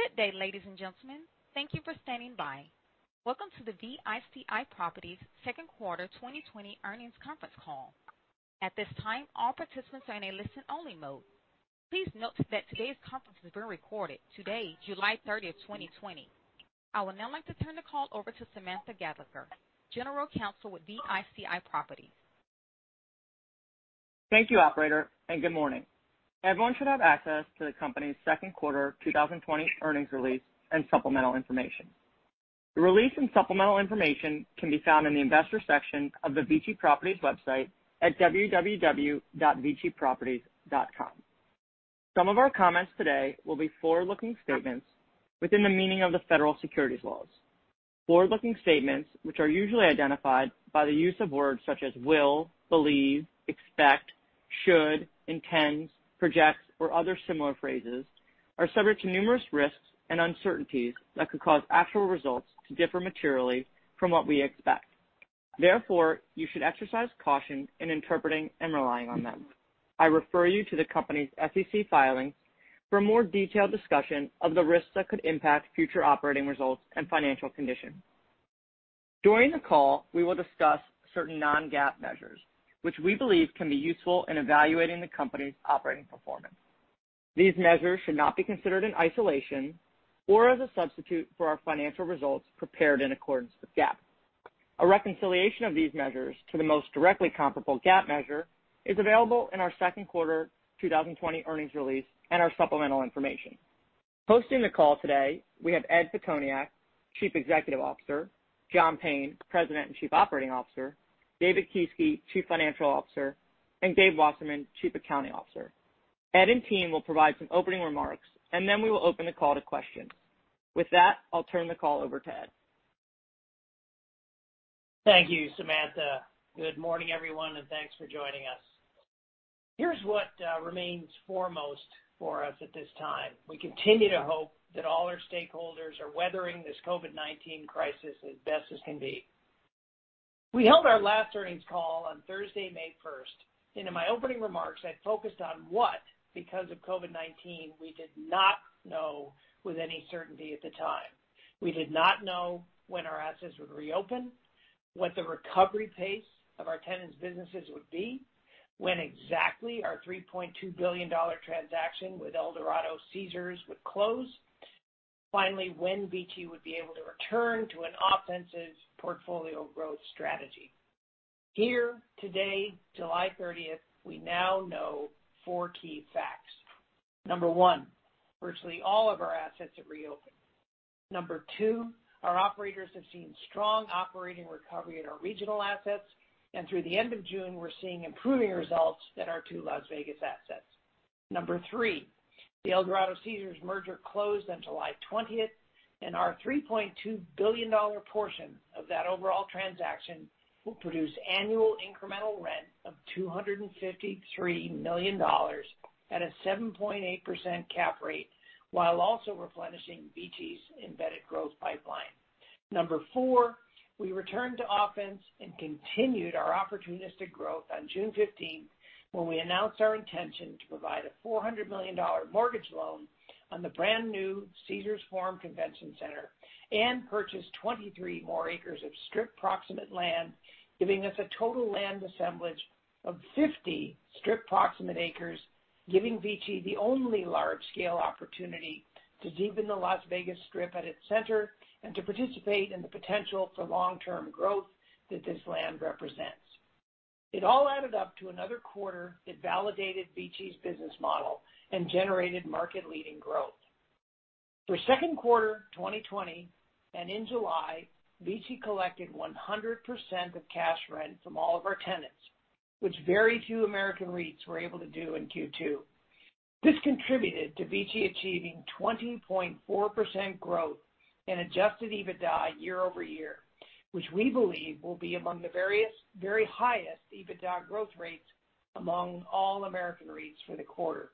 Good day, ladies and gentlemen. Thank you for standing by. Welcome to the VICI Properties Q2 2020 Earnings Conference Call. At this time, all participants are in a listen-only mode. Please note that today's conference is being recorded. Today, July 30th, 2020. I would now like to turn the call over to Samantha Gallagher, General Counsel with VICI Properties. Thank you, operator, and good morning. Everyone should have access to the company's Q2 2020 earnings release and supplemental information. The release and supplemental information can be found in the Investors section of the VICI Properties website at www.viciproperties.com. Some of our comments today will be forward-looking statements within the meaning of the federal securities laws. Forward-looking statements, which are usually identified by the use of words such as will, believe, expect, should, intends, projects, or other similar phrases, are subject to numerous risks and uncertainties that could cause actual results to differ materially from what we expect. Therefore, you should exercise caution in interpreting and relying on them. I refer you to the company's SEC filings for a more detailed discussion of the risks that could impact future operating results and financial condition. During the call, we will discuss certain non-GAAP measures which we believe can be useful in evaluating the company's operating performance. These measures should not be considered in isolation or as a substitute for our financial results prepared in accordance with GAAP. A reconciliation of these measures to the most directly comparable GAAP measure is available in our Q2 2020 earnings release and our supplemental information. Hosting the call today, we have Ed Pitoniak, Chief Executive Officer, John Payne, President and Chief Operating Officer, David Kieske, Chief Financial Officer, and Gabriel Wasserman, Chief Accounting Officer. Ed and team will provide some opening remarks and then we will open the call to questions. With that, I'll turn the call over to Ed. Thank you, Samantha. Good morning, everyone, and thanks for joining us. Here's what remains foremost for us at this time. We continue to hope that all our stakeholders are weathering this COVID-19 crisis as best as can be. We held our last earnings call on Thursday, May 1st, and in my opening remarks, I focused on what, because of COVID-19, we did not know with any certainty at the time. We did not know when our assets would reopen, what the recovery pace of our tenants' businesses would be, when exactly our $3.2 billion transaction with Eldorado-Caesars would close. Finally, when VICI would be able to return to an offensive portfolio growth strategy. Here today, July 30th, we now know four key facts. Number one, virtually all of our assets have reopened. Number two, our operators have seen strong operating recovery at our regional assets, and through the end of June, we're seeing improving results at our two Las Vegas assets. Number three, the Eldorado Caesars merger closed on July 20th, and our $3.2 billion portion of that overall transaction will produce annual incremental rent of $253 million at a 7.8% cap rate, while also replenishing VICI's embedded growth pipeline. Number four, we returned to offense and continued our opportunistic growth on June 15th, when we announced our intention to provide a $400 million mortgage loan on the brand-new CAESARS FORUM Convention Center and purchase 23 more acres of Strip-proximate land, giving us a total land assemblage of 50 Strip-proximate acres, giving VICI the only large-scale opportunity to deepen the Las Vegas Strip at its center and to participate in the potential for long-term growth that this land represents. It all added up to another quarter that validated VICI's business model and generated market-leading growth. For Q2 2020 and in July, VICI collected 100% of cash rent from all of our tenants, which very few American REITs were able to do in Q2. This contributed to VICI achieving 20.4% growth in adjusted EBITDA year-over-year, which we believe will be among the very highest EBITDA growth rates among all American REITs for the quarter.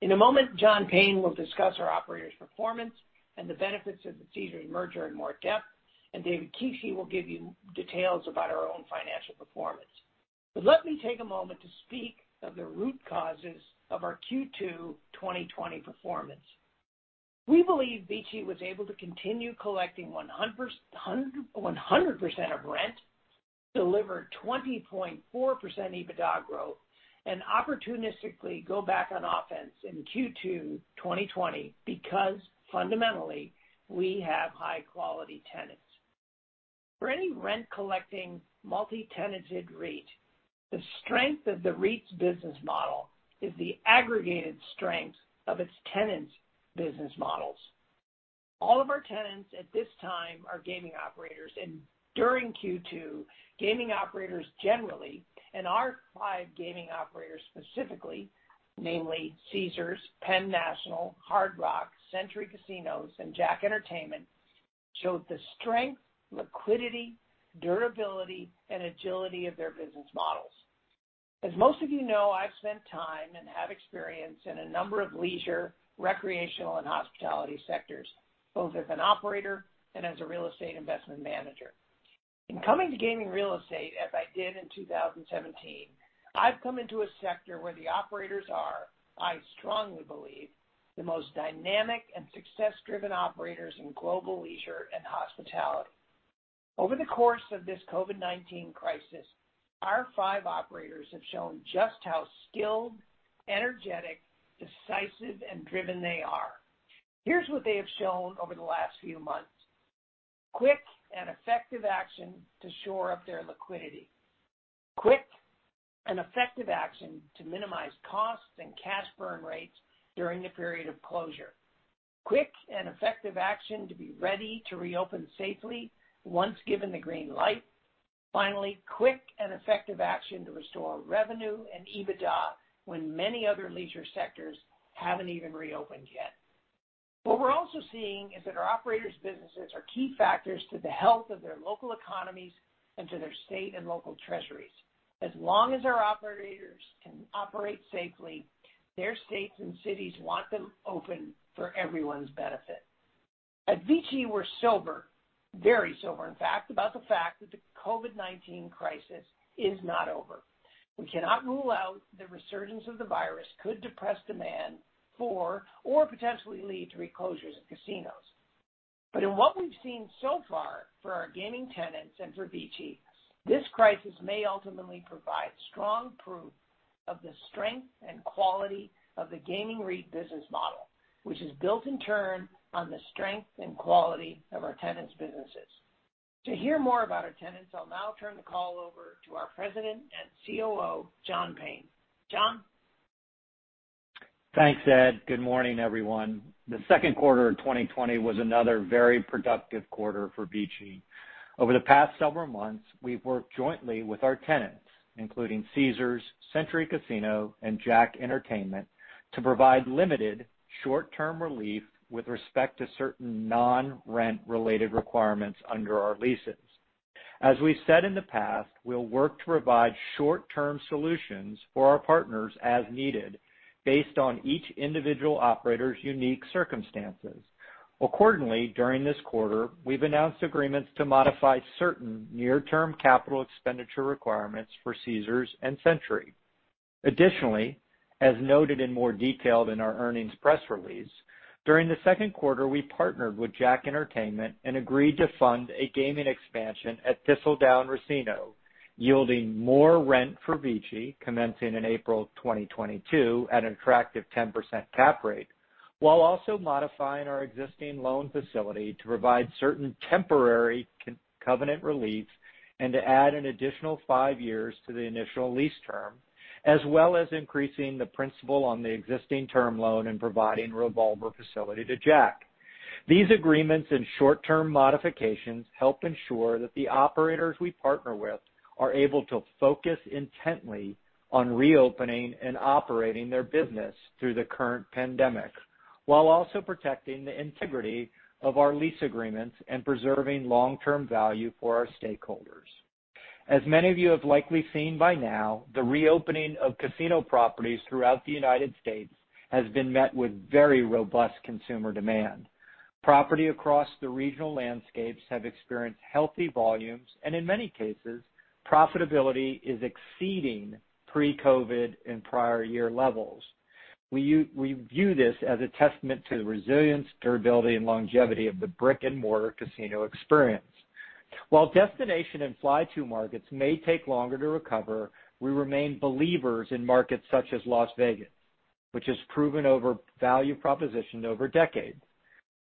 In a moment, John Payne will discuss our operators performance and the benefits of the Caesars merger in more depth, and David Kieske will give you details about our own financial performance. Let me take a moment to speak of the root causes of our Q2 2020 performance. We believe VICI was able to continue collecting 100% of rent, deliver 20.4% EBITDA growth, and opportunistically go back on offense in Q2 2020 because fundamentally, we have high-quality tenants. For any rent-collecting multi-tenanted REIT, the strength of the REIT's business model is the aggregated strength of its tenants' business models. All of our tenants at this time are gaming operators, and during Q2, gaming operators generally, and our five gaming operators specifically, namely Caesars, Penn National, Hard Rock, Century Casinos, and JACK Entertainment, showed the strength, liquidity, durability, and agility of their business models. As most of you know, I've spent time and have experience in a number of leisure, recreational, and hospitality sectors, both as an operator and as a real estate investment manager. In coming to gaming real estate, as I did in 2017, I've come into a sector where the operators are, I strongly believe, the most dynamic and success-driven operators in global leisure and hospitality. Over the course of this COVID-19 crisis, our five operators have shown just how skilled, energetic, decisive, and driven they are. Here's what they have shown over the last few months. Quick and effective action to shore up their liquidity. Quick and effective action to minimize costs and cash burn rates during the period of closure. Quick and effective action to be ready to reopen safely once given the green light. Finally, quick and effective action to restore revenue and EBITDA when many other leisure sectors haven't even reopened yet. What we're also seeing is that our operators' businesses are key factors to the health of their local economies and to their state and local treasuries. As long as our operators can operate safely, their states and cities want them open for everyone's benefit. At VICI, we're sober, very sober, in fact, about the fact that the COVID-19 crisis is not over. We cannot rule out the resurgence of the virus could depress demand for or potentially lead to reclosures of casinos. In what we've seen so far for our gaming tenants and for VICI, this crisis may ultimately provide strong proof of the strength and quality of the gaming REIT business model, which is built in turn on the strength and quality of our tenants' businesses. To hear more about our tenants, I'll now turn the call over to our President and COO, John Payne. John? Thanks, Ed. Good morning, everyone. The Q2 of 2020 was another very productive quarter for VICI. Over the past several months, we've worked jointly with our tenants, including Caesars, Century Casinos, and JACK Entertainment, to provide limited short-term relief with respect to certain non-rent related requirements under our leases. As we've said in the past, we'll work to provide short-term solutions for our partners as needed based on each individual operator's unique circumstances. Accordingly, during this quarter, we've announced agreements to modify certain near-term capital expenditure requirements for Caesars and Century. Additionally, as noted in more detail in our earnings press release, during the Q2, we partnered with JACK Entertainment and agreed to fund a gaming expansion at Thistledown Racino, yielding more rent for VICI commencing in April 2022 at an attractive 10% cap rate, while also modifying our existing loan facility to provide certain temporary covenant relief and to add an additional five years to the initial lease term, as well as increasing the principal on the existing term loan and providing revolver facility to JACK. These agreements and short-term modifications help ensure that the operators we partner with are able to focus intently on reopening and operating their business through the current pandemic while also protecting the integrity of our lease agreements and preserving long-term value for our stakeholders. As many of you have likely seen by now, the reopening of casino properties throughout the U.S. has been met with very robust consumer demand. Property across the regional landscapes have experienced healthy volumes, and in many cases, profitability is exceeding pre-COVID-19 and prior year levels. We view this as a testament to the resilience, durability, and longevity of the brick-and-mortar casino experience. While destination and fly-to markets may take longer to recover, we remain believers in markets such as Las Vegas, which has proven over value proposition over decades.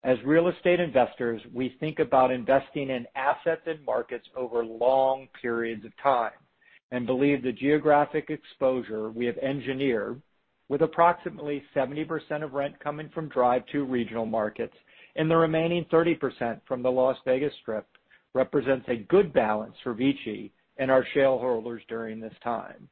As real estate investors, we think about investing in assets and markets over long periods of time and believe the geographic exposure we have engineered with approximately 70% of rent coming from drive-to regional markets and the remaining 30% from the Las Vegas Strip represents a good balance for VICI and our shareholders during this time.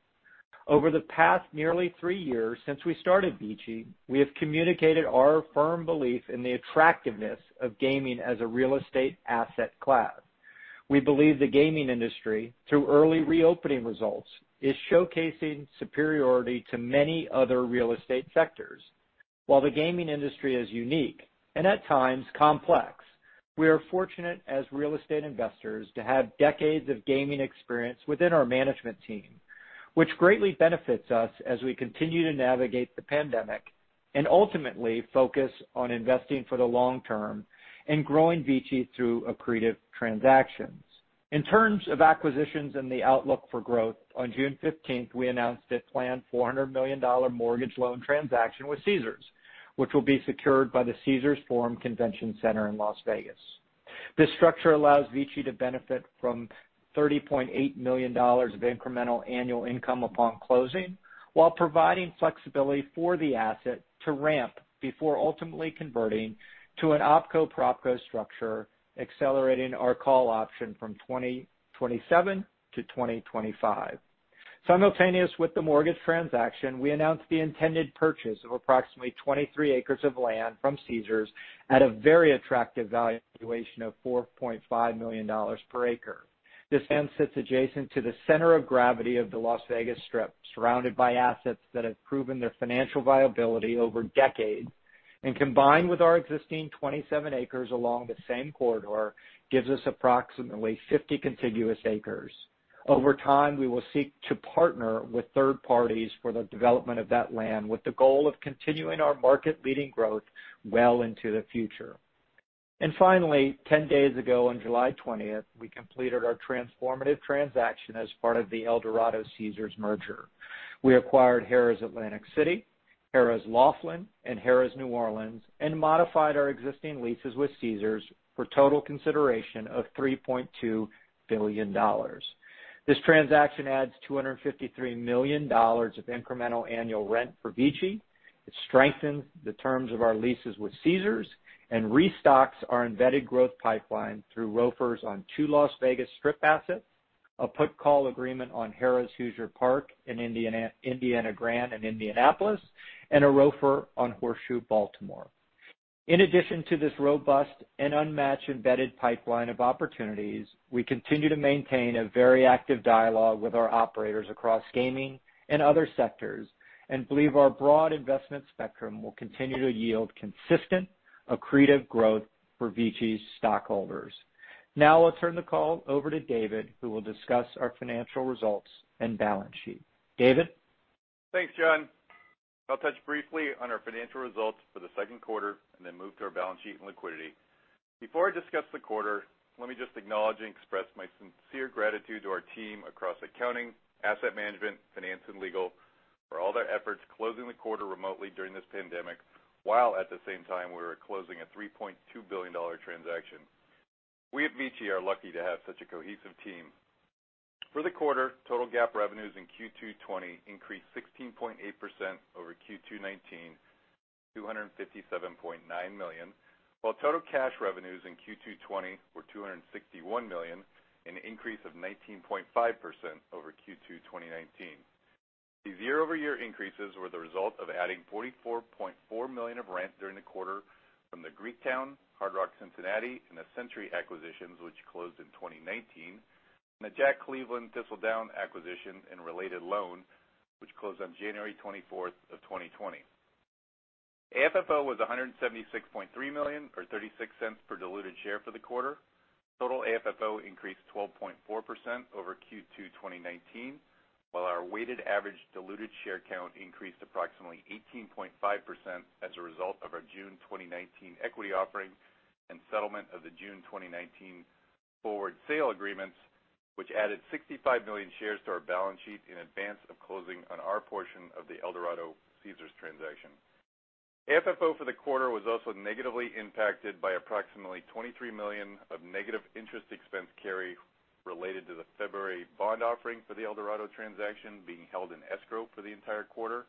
Over the past nearly three years since we started VICI, we have communicated our firm belief in the attractiveness of gaming as a real estate asset class. We believe the gaming industry, through early reopening results, is showcasing superiority to many other real estate sectors. While the gaming industry is unique and at times complex, we are fortunate as real estate investors to have decades of gaming experience within our management team, which greatly benefits us as we continue to navigate the pandemic and ultimately focus on investing for the long term and growing VICI through accretive transactions. In terms of acquisitions and the outlook for growth, on June 15th, we announced a planned $400 million mortgage loan transaction with Caesars, which will be secured by the Caesars Forum Convention Center in Las Vegas. This structure allows VICI to benefit from $30.8 million of incremental annual income upon closing while providing flexibility for the asset to ramp before ultimately converting to an opco-propco structure, accelerating our call option from 2027 to 2025. Simultaneous with the mortgage transaction, we announced the intended purchase of approximately 23 acres of land from Caesars at a very attractive valuation of $4.5 million per acre. This land sits adjacent to the center of gravity of the Las Vegas Strip, surrounded by assets that have proven their financial viability over decades, and combined with our existing 27 acres along the same corridor, gives us approximately 50 contiguous acres. Over time, we will seek to partner with third parties for the development of that land with the goal of continuing our market-leading growth well into the future. Finally, 10 days ago, on July 20th, we completed our transformative transaction as part of the Eldorado-Caesars merger. We acquired Harrah's Atlantic City, Harrah's Laughlin, and Harrah's New Orleans, and modified our existing leases with Caesars for a total consideration of $3.2 billion. This transaction adds $253 million of incremental annual rent for VICI. It strengthens the terms of our leases with Caesars and restocks our embedded growth pipeline through ROFRs on two Las Vegas Strip assets, a put call agreement on Harrah's Hoosier Park and Indiana Grand in Indianapolis, and a ROFR on Horseshoe Baltimore. In addition to this robust and unmatched embedded pipeline of opportunities, we continue to maintain a very active dialogue with our operators across gaming and other sectors, and believe our broad investment spectrum will continue to yield consistent accretive growth for VICI's stockholders. Now I'll turn the call over to David, who will discuss our financial results and balance sheet. David? Thanks, John. I'll touch briefly on our financial results for the Q2 and then move to our balance sheet and liquidity. Before I discuss the quarter, let me just acknowledge and express my sincere gratitude to our team across accounting, asset management, finance, and legal for all their efforts closing the quarter remotely during this pandemic, while at the same time we were closing a $3.2 billion transaction. We at VICI are lucky to have such a cohesive team. For the quarter, total GAAP revenues in Q2 2020 increased 16.8% over Q2 2019, $257.9 million, while total cash revenues in Q2 2020 were $261 million, an increase of 19.5% over Q2 2019. These year-over-year increases were the result of adding $44.4 million of rent during the quarter from the Greektown, Hard Rock Cincinnati, and the Century acquisitions, which closed in 2019, and the JACK Cleveland Thistledown acquisition and related loan, which closed on January 24th of 2020. AFFO was $176.3 million, or $0.36 per diluted share for the quarter. Total AFFO increased 12.4% over Q2 2019, while our weighted average diluted share count increased approximately 18.5% as a result of our June 2019 equity offering and settlement of the June 2019 forward sale agreements, which added 65 million shares to our balance sheet in advance of closing on our portion of the Eldorado Caesars transaction. AFFO for the quarter was also negatively impacted by approximately $23 million of negative interest expense carry related to the February bond offering for the Eldorado transaction being held in escrow for the entire quarter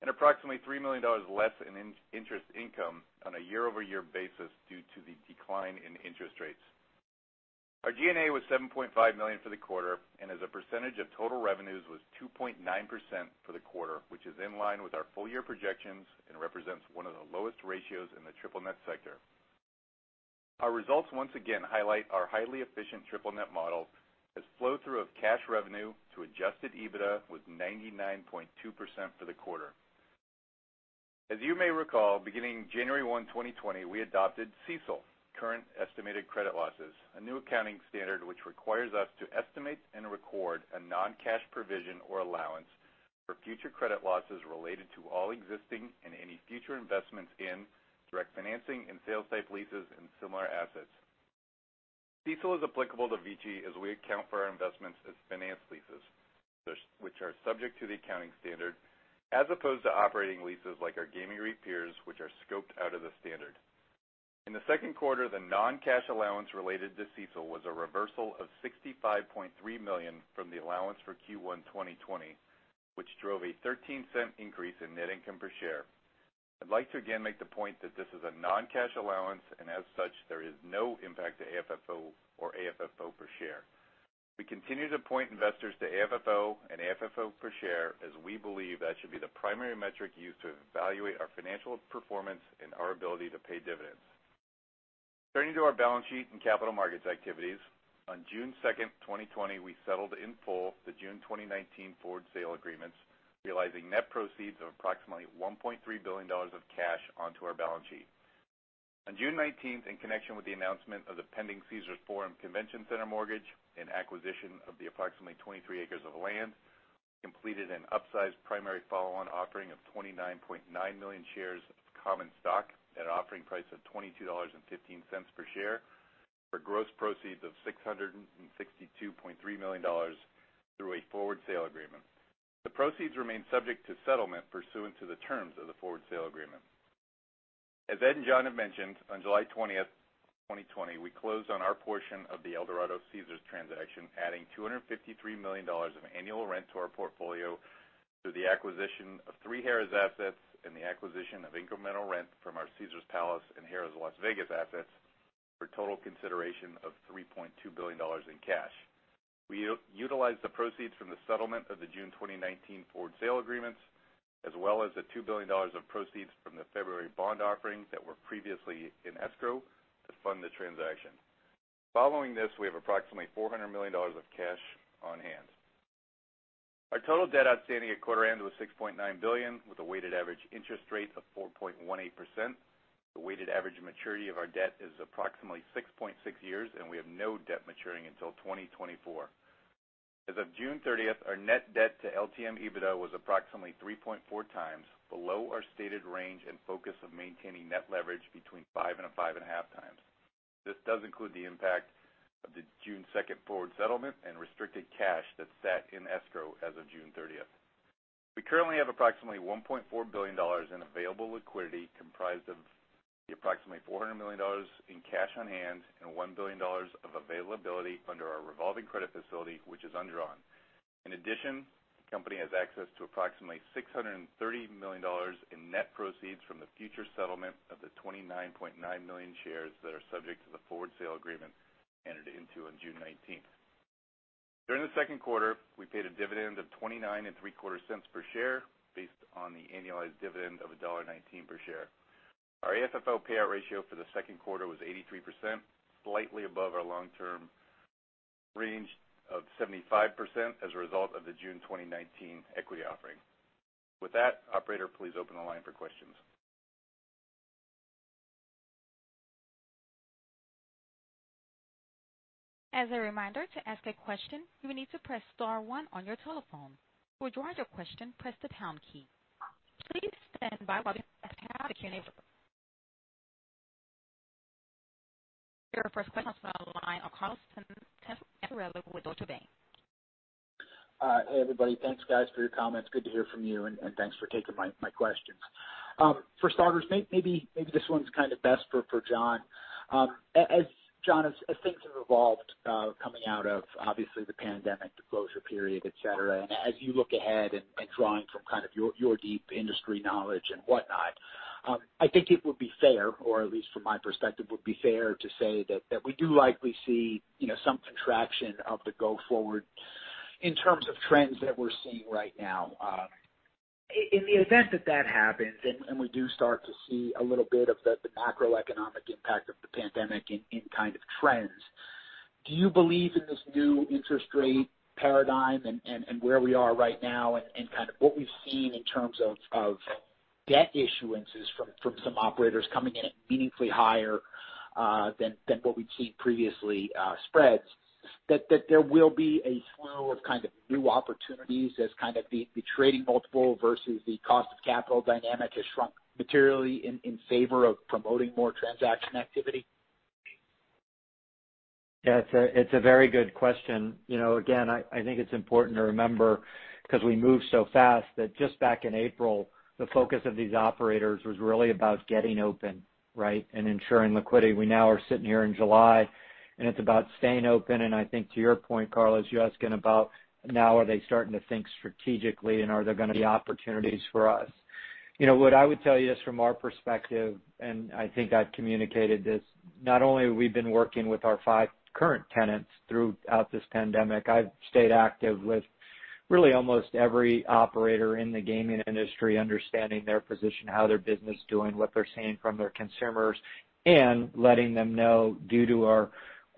and approximately $3 million less in interest income on a year-over-year basis due to the decline in interest rates. Our G&A was $7.5 million for the quarter, as a percentage of total revenues was 2.9% for the quarter, which is in line with our full-year projections and represents one of the lowest ratios in the triple net sector. Our results once again highlight our highly efficient triple net model as flow-through of cash revenue to adjusted EBITDA was 99.2% for the quarter. As you may recall, beginning January 1, 2020, we adopted CECL, Current Expected Credit Losses, a new accounting standard which requires us to estimate and record a non-cash provision or allowance for future credit losses related to all existing and any future investments in direct financing and sales type leases and similar assets. CECL is applicable to VICI as we account for our investments as finance leases, which are subject to the accounting standard, as opposed to operating leases like our gaming REIT peers, which are scoped out of the standard. In the Q2, the non-cash allowance related to CECL was a reversal of $65.3 million from the allowance for Q1 2020, which drove a $0.13 increase in net income per share. I'd like to again make the point that this is a non-cash allowance, and as such, there is no impact to AFFO or AFFO per share. We continue to point investors to AFFO and AFFO per share as we believe that should be the primary metric used to evaluate our financial performance and our ability to pay dividends. Turning to our balance sheet and capital markets activities, on June 2nd, 2020, we settled in full the June 2019 forward sale agreements, realizing net proceeds of approximately $1.3 billion of cash onto our balance sheet. On June 19th, in connection with the announcement of the pending CAESARS FORUM Convention Center mortgage and acquisition of the approximately 23 acres of land, completed an upsized primary follow-on offering of 29.9 million shares of common stock at an offering price of $22.15 per share for gross proceeds of $662.3 million through a forward sale agreement. The proceeds remain subject to settlement pursuant to the terms of the forward sale agreement. As Ed and John have mentioned, on July 20th, 2020, we closed on our portion of the Eldorado-Caesars transaction, adding $253 million of annual rent to our portfolio through the acquisition of three Harrah's assets and the acquisition of incremental rent from our Caesars Palace and Harrah's Las Vegas assets for a total consideration of $3.2 billion in cash. We utilized the proceeds from the settlement of the June 2019 forward sale agreements, as well as the $2 billion of proceeds from the February bond offering that were previously in escrow to fund the transaction. Following this, we have approximately $400 million of cash on hand. Our total debt outstanding at quarter end was $6.9 billion, with a weighted average interest rate of 4.18%. The weighted average maturity of our debt is approximately six point six years, and we have no debt maturing until 2024. As of June 30th, our net debt to LTM EBITDA was approximately 3.4 times below our stated range and focus of maintaining net leverage between five and a half times. This does include the impact of the June 2nd forward settlement and restricted cash that sat in escrow as of June 30th. We currently have approximately $1.4 billion in available liquidity, comprised of the approximately $400 million in cash on hand and $1 billion of availability under our revolving credit facility, which is undrawn. In addition, the company has access to approximately $630 million in net proceeds from the future settlement of the 29.9 million shares that are subject to the forward sale agreement entered into on June 19th. During the Q2, we paid a dividend of $0.2975 per share, based on the annualized dividend of $1.19 per share. Our AFFO payout ratio for the Q2 was 83%, slightly above our long-term range of 75%, as a result of the June 2019 equity offering. With that, operator, please open the line for questions. As a reminder, to ask a question, you will need to press star one on your telephone. To withdraw your question, press the pound key. Please stand by while the operator connects Your first question is on the line, Carlos. Hey, everybody. Thanks, guys, for your comments. Good to hear from you, and thanks for taking my questions. For starters, maybe this one's kind of best for John. John, as things have evolved, coming out of, obviously, the pandemic, the closure period, et cetera, and as you look ahead and drawing from your deep industry knowledge and whatnot, I think it would be fair, or at least from my perspective, would be fair to say that we do likely see some contraction of the go forward in terms of trends that we're seeing right now. In the event that that happens, and we do start to see a little bit of the macroeconomic impact of the pandemic in trends, do you believe in this new interest rate paradigm and where we are right now and what we've seen in terms of debt issuances from some operators coming in at meaningfully higher, than what we've seen previously, spreads, that there will be a slew of new opportunities as the trading multiple versus the cost of capital dynamic has shrunk materially in favor of promoting more transaction activity? Yeah, it's a very good question. Again, I think it's important to remember, because we move so fast, that just back in April, the focus of these operators was really about getting open, right, and ensuring liquidity. We now are sitting here in July, and it's about staying open. I think to your point, Carlos, you're asking about now are they starting to think strategically, and are there going to be opportunities for us? What I would tell you, just from our perspective, and I think I've communicated this, not only have we been working with our five current tenants throughout this pandemic, I've stayed active with really almost every operator in the gaming industry, understanding their position, how their business is doing, what they're seeing from their consumers, and letting them know, due to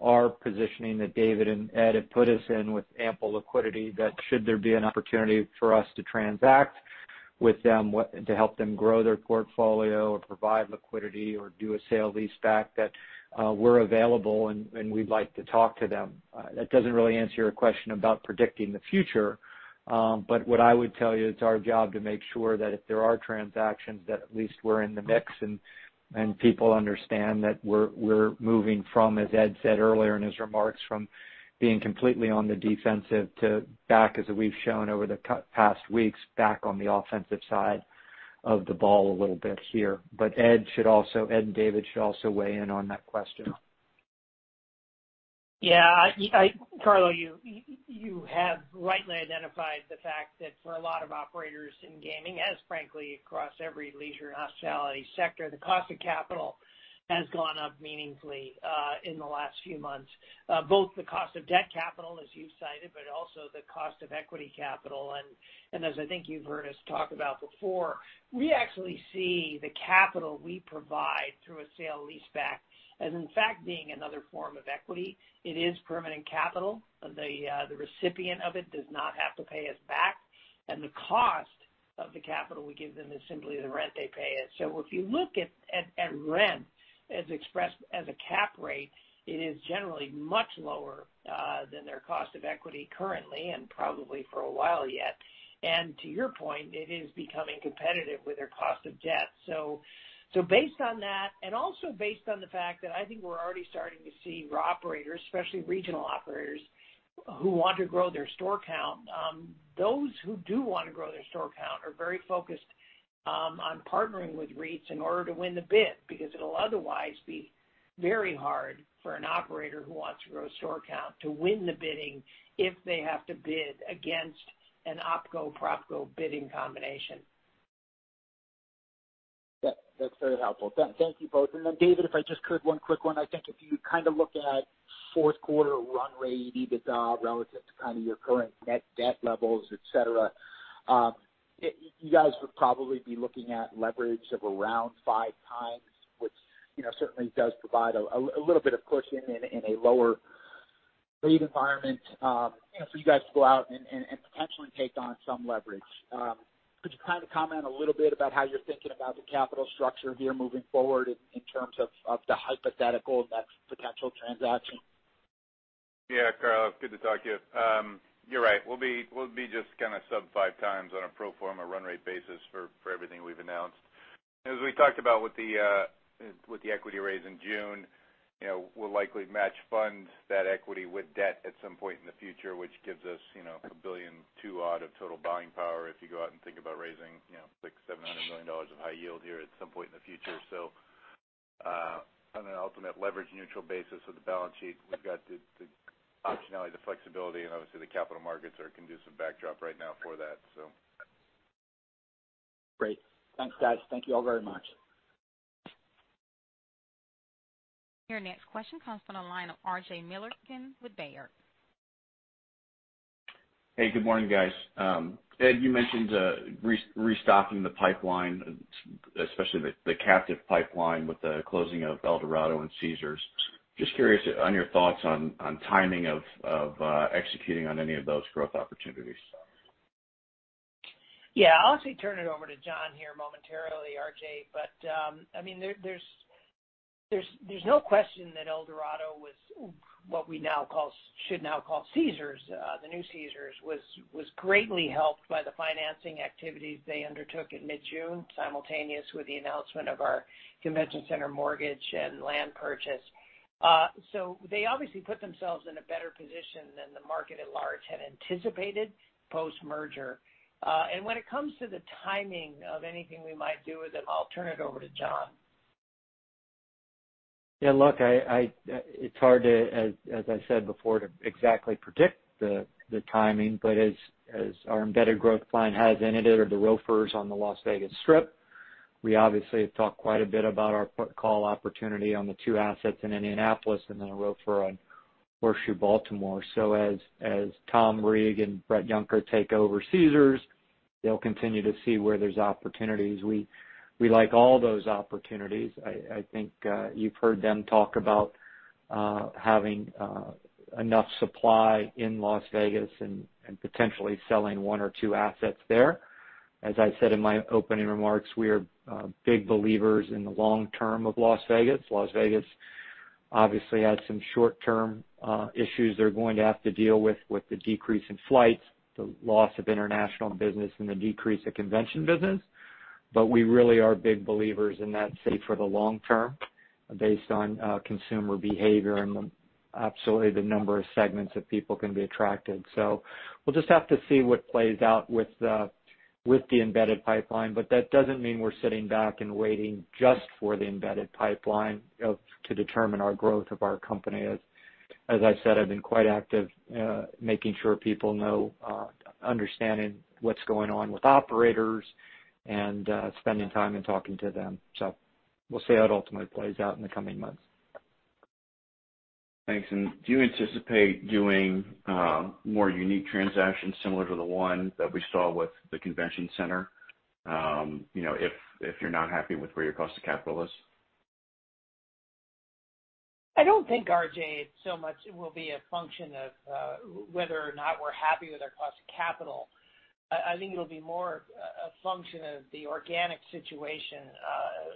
our positioning that David and Ed have put us in with ample liquidity, that should there be an opportunity for us to transact with them to help them grow their portfolio or provide liquidity or do a sale leaseback, that we're available, and we'd like to talk to them. That doesn't really answer your question about predicting the future. What I would tell you, it's our job to make sure that if there are transactions, that at least we're in the mix and people understand that we're moving from, as Ed said earlier in his remarks, from being completely on the defensive to back, as we've shown over the past weeks, back on the offensive side of the ball a little bit here. Ed and David should also weigh in on that question. Carlos, you have rightly identified the fact that for a lot of operators in gaming, as frankly across every leisure and hospitality sector, the cost of capital has gone up meaningfully in the last few months. Both the cost of debt capital, as you cited, but also the cost of equity capital. As I think you've heard us talk about before, we actually see the capital we provide through a sale leaseback as in fact being another form of equity. It is permanent capital. The recipient of it does not have to pay us back. The cost of the capital we give them is simply the rent they pay us. If you look at rent as expressed as a cap rate, it is generally much lower than their cost of equity currently and probably for a while yet. To your point, it is becoming competitive with their cost of debt. Based on that, and also based on the fact that I think we're already starting to see raw operators, especially regional operators, who want to grow their store count. Those who do want to grow their store count are very focused on partnering with REITs in order to win the bid, because it'll otherwise be very hard for an operator who wants to grow store count to win the bidding if they have to bid against an OpCo, PropCo bidding combination. That's very helpful. Thank you both. Then David, if I just could, one quick one. I think if you look at Q4 run rate EBITDA relative to your current net debt levels, et cetera. You guys would probably be looking at leverage of around 5x, which certainly does provide a little bit of cushion in a lower rate environment for you guys to go out and potentially take on some leverage. Could you comment a little bit about how you're thinking about the capital structure here moving forward in terms of the hypothetical next potential transaction? Yeah, Carl, good to talk to you. You're right. We'll be just sub five times on a pro forma run rate basis for everything we've announced. As we talked about with the equity raise in June, we'll likely match funds, that equity with debt at some point in the future, which gives us $1.2 billion odd of total buying power if you go out and think about raising six, $700 million of high yield here at some point in the future. On an ultimate leverage neutral basis of the balance sheet, we've got the optionality, the flexibility, and obviously the capital markets are a conducive backdrop right now for that. Great. Thanks, guys. Thank you all very much. Your next question comes from the line of RJ Milligan with Baird. Hey, good morning, guys. Ed, you mentioned restocking the pipeline, especially the captive pipeline with the closing of Eldorado and Caesars. Just curious on your thoughts on timing of executing on any of those growth opportunities. Yeah. I'll actually turn it over to John here momentarily, RJ. There's no question that Eldorado was what we should now call Caesars. The new Caesars was greatly helped by the financing activities they undertook in mid-June, simultaneous with the announcement of our convention center mortgage and land purchase. When it comes to the timing of anything we might do with them, I'll turn it over to John. Look, it's hard, as I said before, to exactly predict the timing, but as our embedded growth plan has in it are the ROFRs on the Las Vegas Strip. We obviously have talked quite a bit about our put call opportunity on the two assets in Indianapolis and then a ROFR on Horseshoe Baltimore. As Tom Reeg and Bret Yunker take over Caesars, they'll continue to see where there's opportunities. We like all those opportunities. I think you've heard them talk about having enough supply in Las Vegas and potentially selling one or two assets there. As I said in my opening remarks, we are big believers in the long term of Las Vegas. Las Vegas obviously has some short-term issues they're going to have to deal with the decrease in flights, the loss of international business, and the decrease of convention business. We really are big believers in that city for the long term based on consumer behavior and absolutely the number of segments that people can be attracted. We'll just have to see what plays out with the embedded pipeline, but that doesn't mean we're sitting back and waiting just for the embedded pipeline to determine our growth of our company. As I've said, I've been quite active making sure people know, understanding what's going on with operators and spending time and talking to them. We'll see how it ultimately plays out in the coming months. Thanks. Do you anticipate doing more unique transactions similar to the one that we saw with the convention center if you're not happy with where your cost of capital is? I don't think, RJ, it so much will be a function of whether or not we're happy with our cost of capital. I think it'll be more a function of the organic situation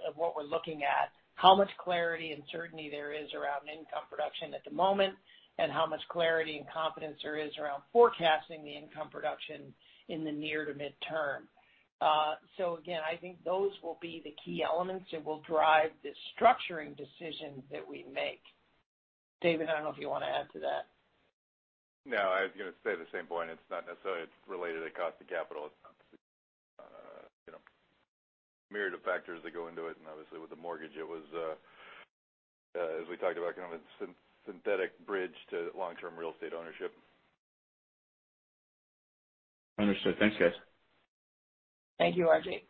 of what we're looking at, how much clarity and certainty there is around income production at the moment, and how much clarity and confidence there is around forecasting the income production in the near to midterm. Again, I think those will be the key elements that will drive the structuring decision that we make. David, I don't know if you want to add to that. No, I was going to say the same point. It's not necessarily related to cost of capital. It's a myriad of factors that go into it, and obviously with the mortgage, it was, as we talked about, kind of a synthetic bridge to long-term real estate ownership. Understood. Thanks, guys. Thank you, RJ.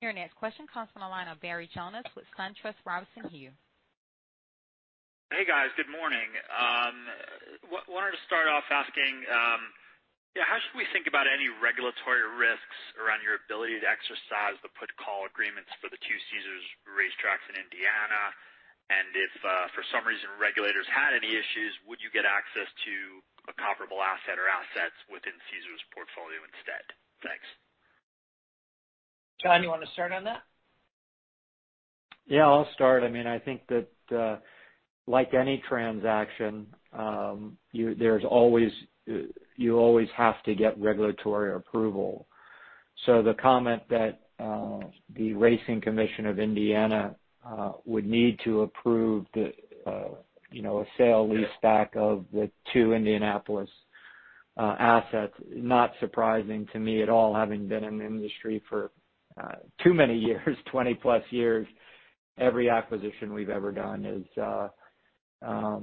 Your next question comes from the line of Barry Jonas with SunTrust Robinson Humphrey. Hey, guys. Good morning. Wanted to start off asking how should we think about any regulatory risks around your ability to exercise the put call agreements for the two Caesars racetracks in Indiana? If for some reason regulators had any issues, would you get access to a comparable asset or assets within Caesars portfolio instead? Thanks. John, you want to start on that? Yeah, I'll start. I think that like any transaction, you always have to get regulatory approval. The comment that the Indiana Horse Racing Commission would need to approve a sale leaseback of the two Indianapolis assets, not surprising to me at all, having been in the industry for too many years, 20-plus years. Every acquisition we've ever done has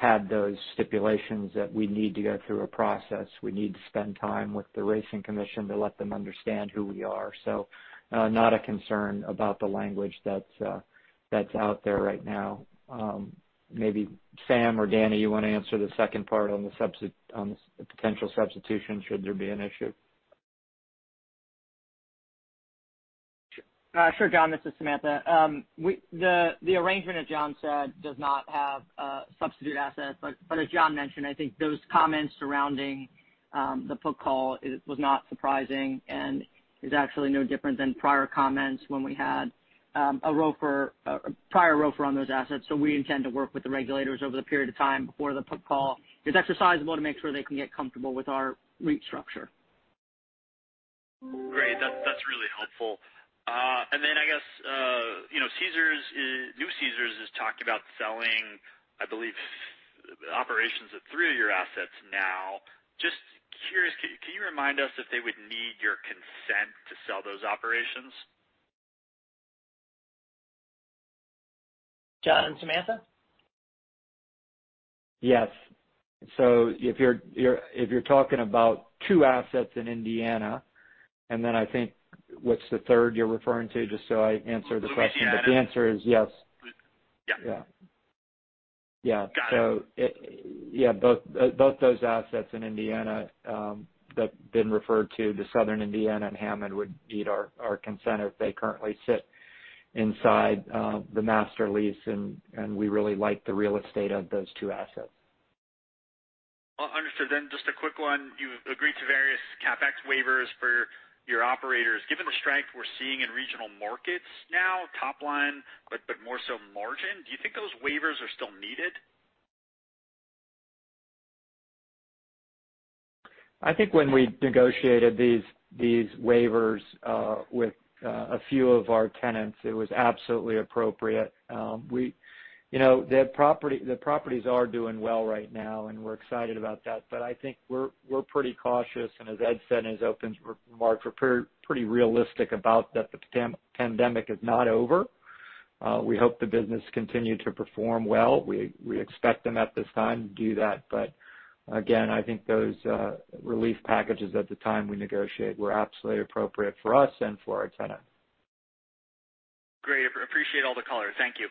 had those stipulations that we need to go through a process. We need to spend time with the Racing Commission to let them understand who we are. Not a concern about the language that's out there right now. Maybe Sam or Danny, you want to answer the second part on the potential substitution should there be an issue? Sure, John. This is Samantha. The arrangement that John said does not have substitute assets. As John mentioned, I think those comments surrounding the put call was not surprising and is actually no different than prior comments when we had a prior ROFR on those assets. We intend to work with the regulators over the period of time before the put call is exercisable to make sure they can get comfortable with our REIT structure. Great. That's really helpful. I guess, new Caesars has talked about selling, I believe, operations at three of your assets now. Just curious, can you remind us if they would need your consent to sell those operations? John, Samantha? Yes. If you're talking about two assets in Indiana, and then I think, what's the third you're referring to? Just so I answer the question. Louisiana. The answer is yes. Yeah. Yeah. Got it. Yeah, both those assets in Indiana that have been referred to, the Southern Indiana and Hammond, would need our consent, as they currently sit inside the master lease, and we really like the real estate of those two assets. Understood. Just a quick one. You agreed to various CapEx waivers for your operators. Given the strength we're seeing in regional markets now, top line, but more so margin, do you think those waivers are still needed? I think when we negotiated these waivers with a few of our tenants, it was absolutely appropriate. The properties are doing well right now, and we're excited about that, but I think we're pretty cautious. As Ed said in his opening remarks, we're pretty realistic about that the pandemic is not over. We hope the business continue to perform well. We expect them at this time to do that. Again, I think those relief packages at the time we negotiated were absolutely appropriate for us and for our tenants. Great. Appreciate all the color. Thank you.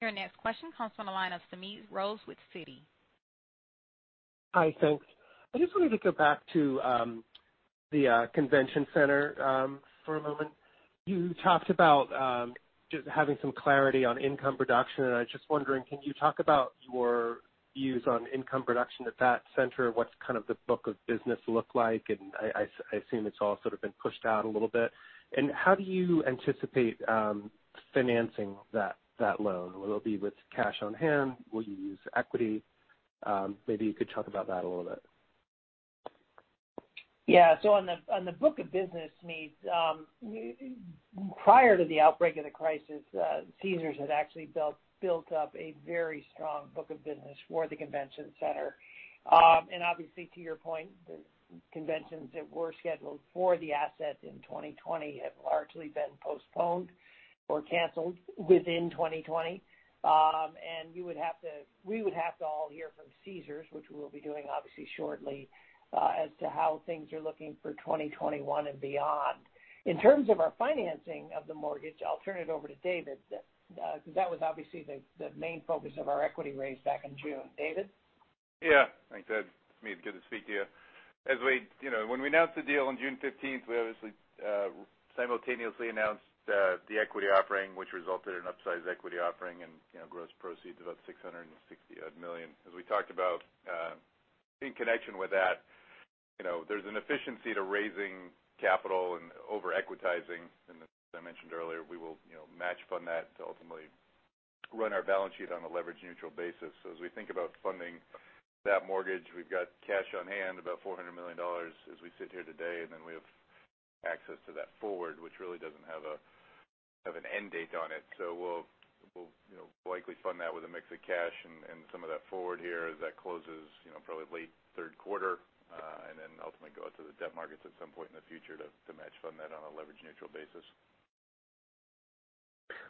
Your next question comes from the line of Smedes Rose with Citi. Hi. Thanks. I just wanted to go back to the convention center for a moment. You talked about just having some clarity on income production, I was just wondering, can you talk about your views on income production at that center? What's the book of business look like? I assume it's all sort of been pushed out a little bit. How do you anticipate financing that loan? Will it be with cash on hand? Will you use equity? Maybe you could talk about that a little bit. Yeah. On the book of business, Smedes, prior to the outbreak of the crisis, Caesars had actually built up a very strong book of business for the convention center. Obviously to your point, the conventions that were scheduled for the asset in 2020 have largely been postponed or canceled within 2020. We would have to all hear from Caesars, which we will be doing obviously shortly, as to how things are looking for 2021 and beyond. In terms of our financing of the mortgage, I'll turn it over to David, because that was obviously the main focus of our equity raise back in June. David? Thanks, Ed. Smedes, good to speak to you. When we announced the deal on June 15th, we obviously simultaneously announced the equity offering, which resulted in an upsized equity offering and gross proceeds about $660 million. As we talked about in connection with that, there's an efficiency to raising capital and over-equitizing, and as I mentioned earlier, we will match fund that to ultimately run our balance sheet on a leverage-neutral basis. As we think about funding that mortgage, we've got cash on hand, about $400 million as we sit here today, and then we have access to that forward, which really doesn't have an end date on it. We'll likely fund that with a mix of cash and some of that forward here as that closes probably late Q3, and then ultimately go out to the debt markets at some point in the future to match fund that on a leverage-neutral basis.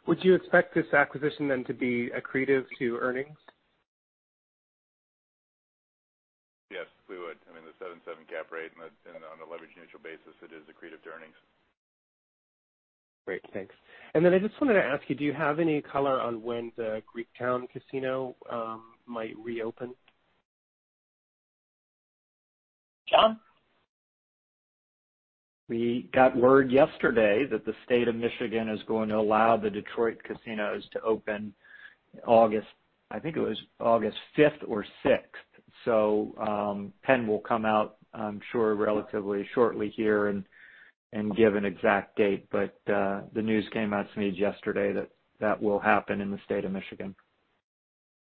Would you expect this acquisition then to be accretive to earnings? Yes, we would. I mean, the 7.7 cap rate and on a leverage-neutral basis, it is accretive to earnings. Great. Thanks. I just wanted to ask you, do you have any color on when the Greektown Casino might reopen? John? We got word yesterday that the state of Michigan is going to allow the Detroit casinos to open August, I think it was August 5th or 6th. Penn will come out, I'm sure, relatively shortly here and give an exact date. The news came out, Sameet, yesterday that that will happen in the state of Michigan.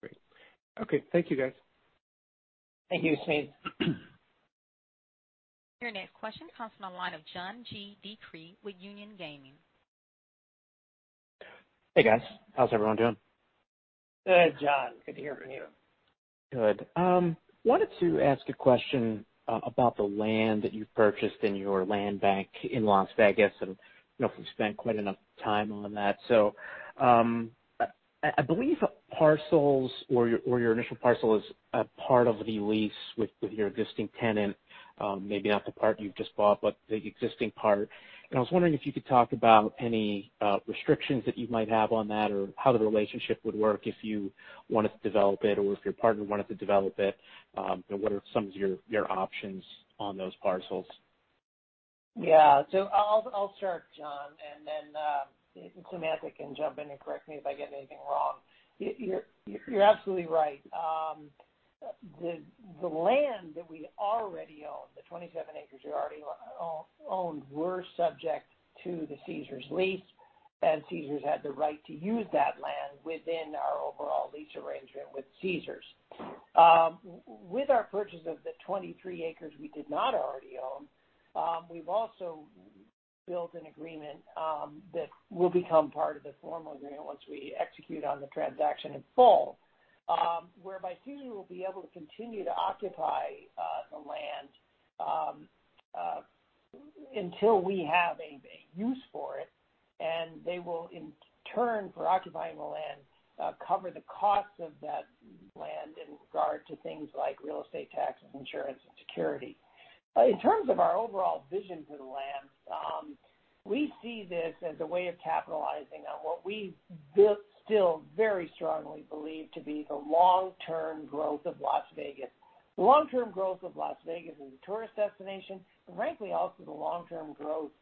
Great. Okay. Thank you, guys. Thank you, Smedes. Your next question comes from the line of John G. DeCree with Union Gaming. Hey, guys. How's everyone doing? Good, John. Good to hear from you. Good. Wanted to ask a question about the land that you purchased in your land bank in Las Vegas, and we've spent quite enough time on that. I believe parcels or your initial parcel is a part of the lease with your existing tenant. Maybe not the part you've just bought, but the existing part. I was wondering if you could talk about any restrictions that you might have on that, or how the relationship would work if you wanted to develop it, or if your partner wanted to develop it. What are some of your options on those parcels? Yeah. I'll start, John, and then Samantha can jump in and correct me if I get anything wrong. You're absolutely right. The land that we already own, the 27 acres we already own, were subject to the Caesars lease, and Caesars had the right to use that land within our overall lease arrangement with Caesars. With our purchase of the 23 acres we did not already own, we've also built an agreement that will become part of the formal agreement once we execute on the transaction in full, whereby Caesars will be able to continue to occupy the land until we have a use for it, and they will, in turn, for occupying the land, cover the cost of that land in regard to things like real estate taxes, insurance, and security. In terms of our overall vision for the land, we see this as a way of capitalizing on what we still very strongly believe to be the long-term growth of Las Vegas. The long-term growth of Las Vegas as a tourist destination, and frankly, also the long-term growth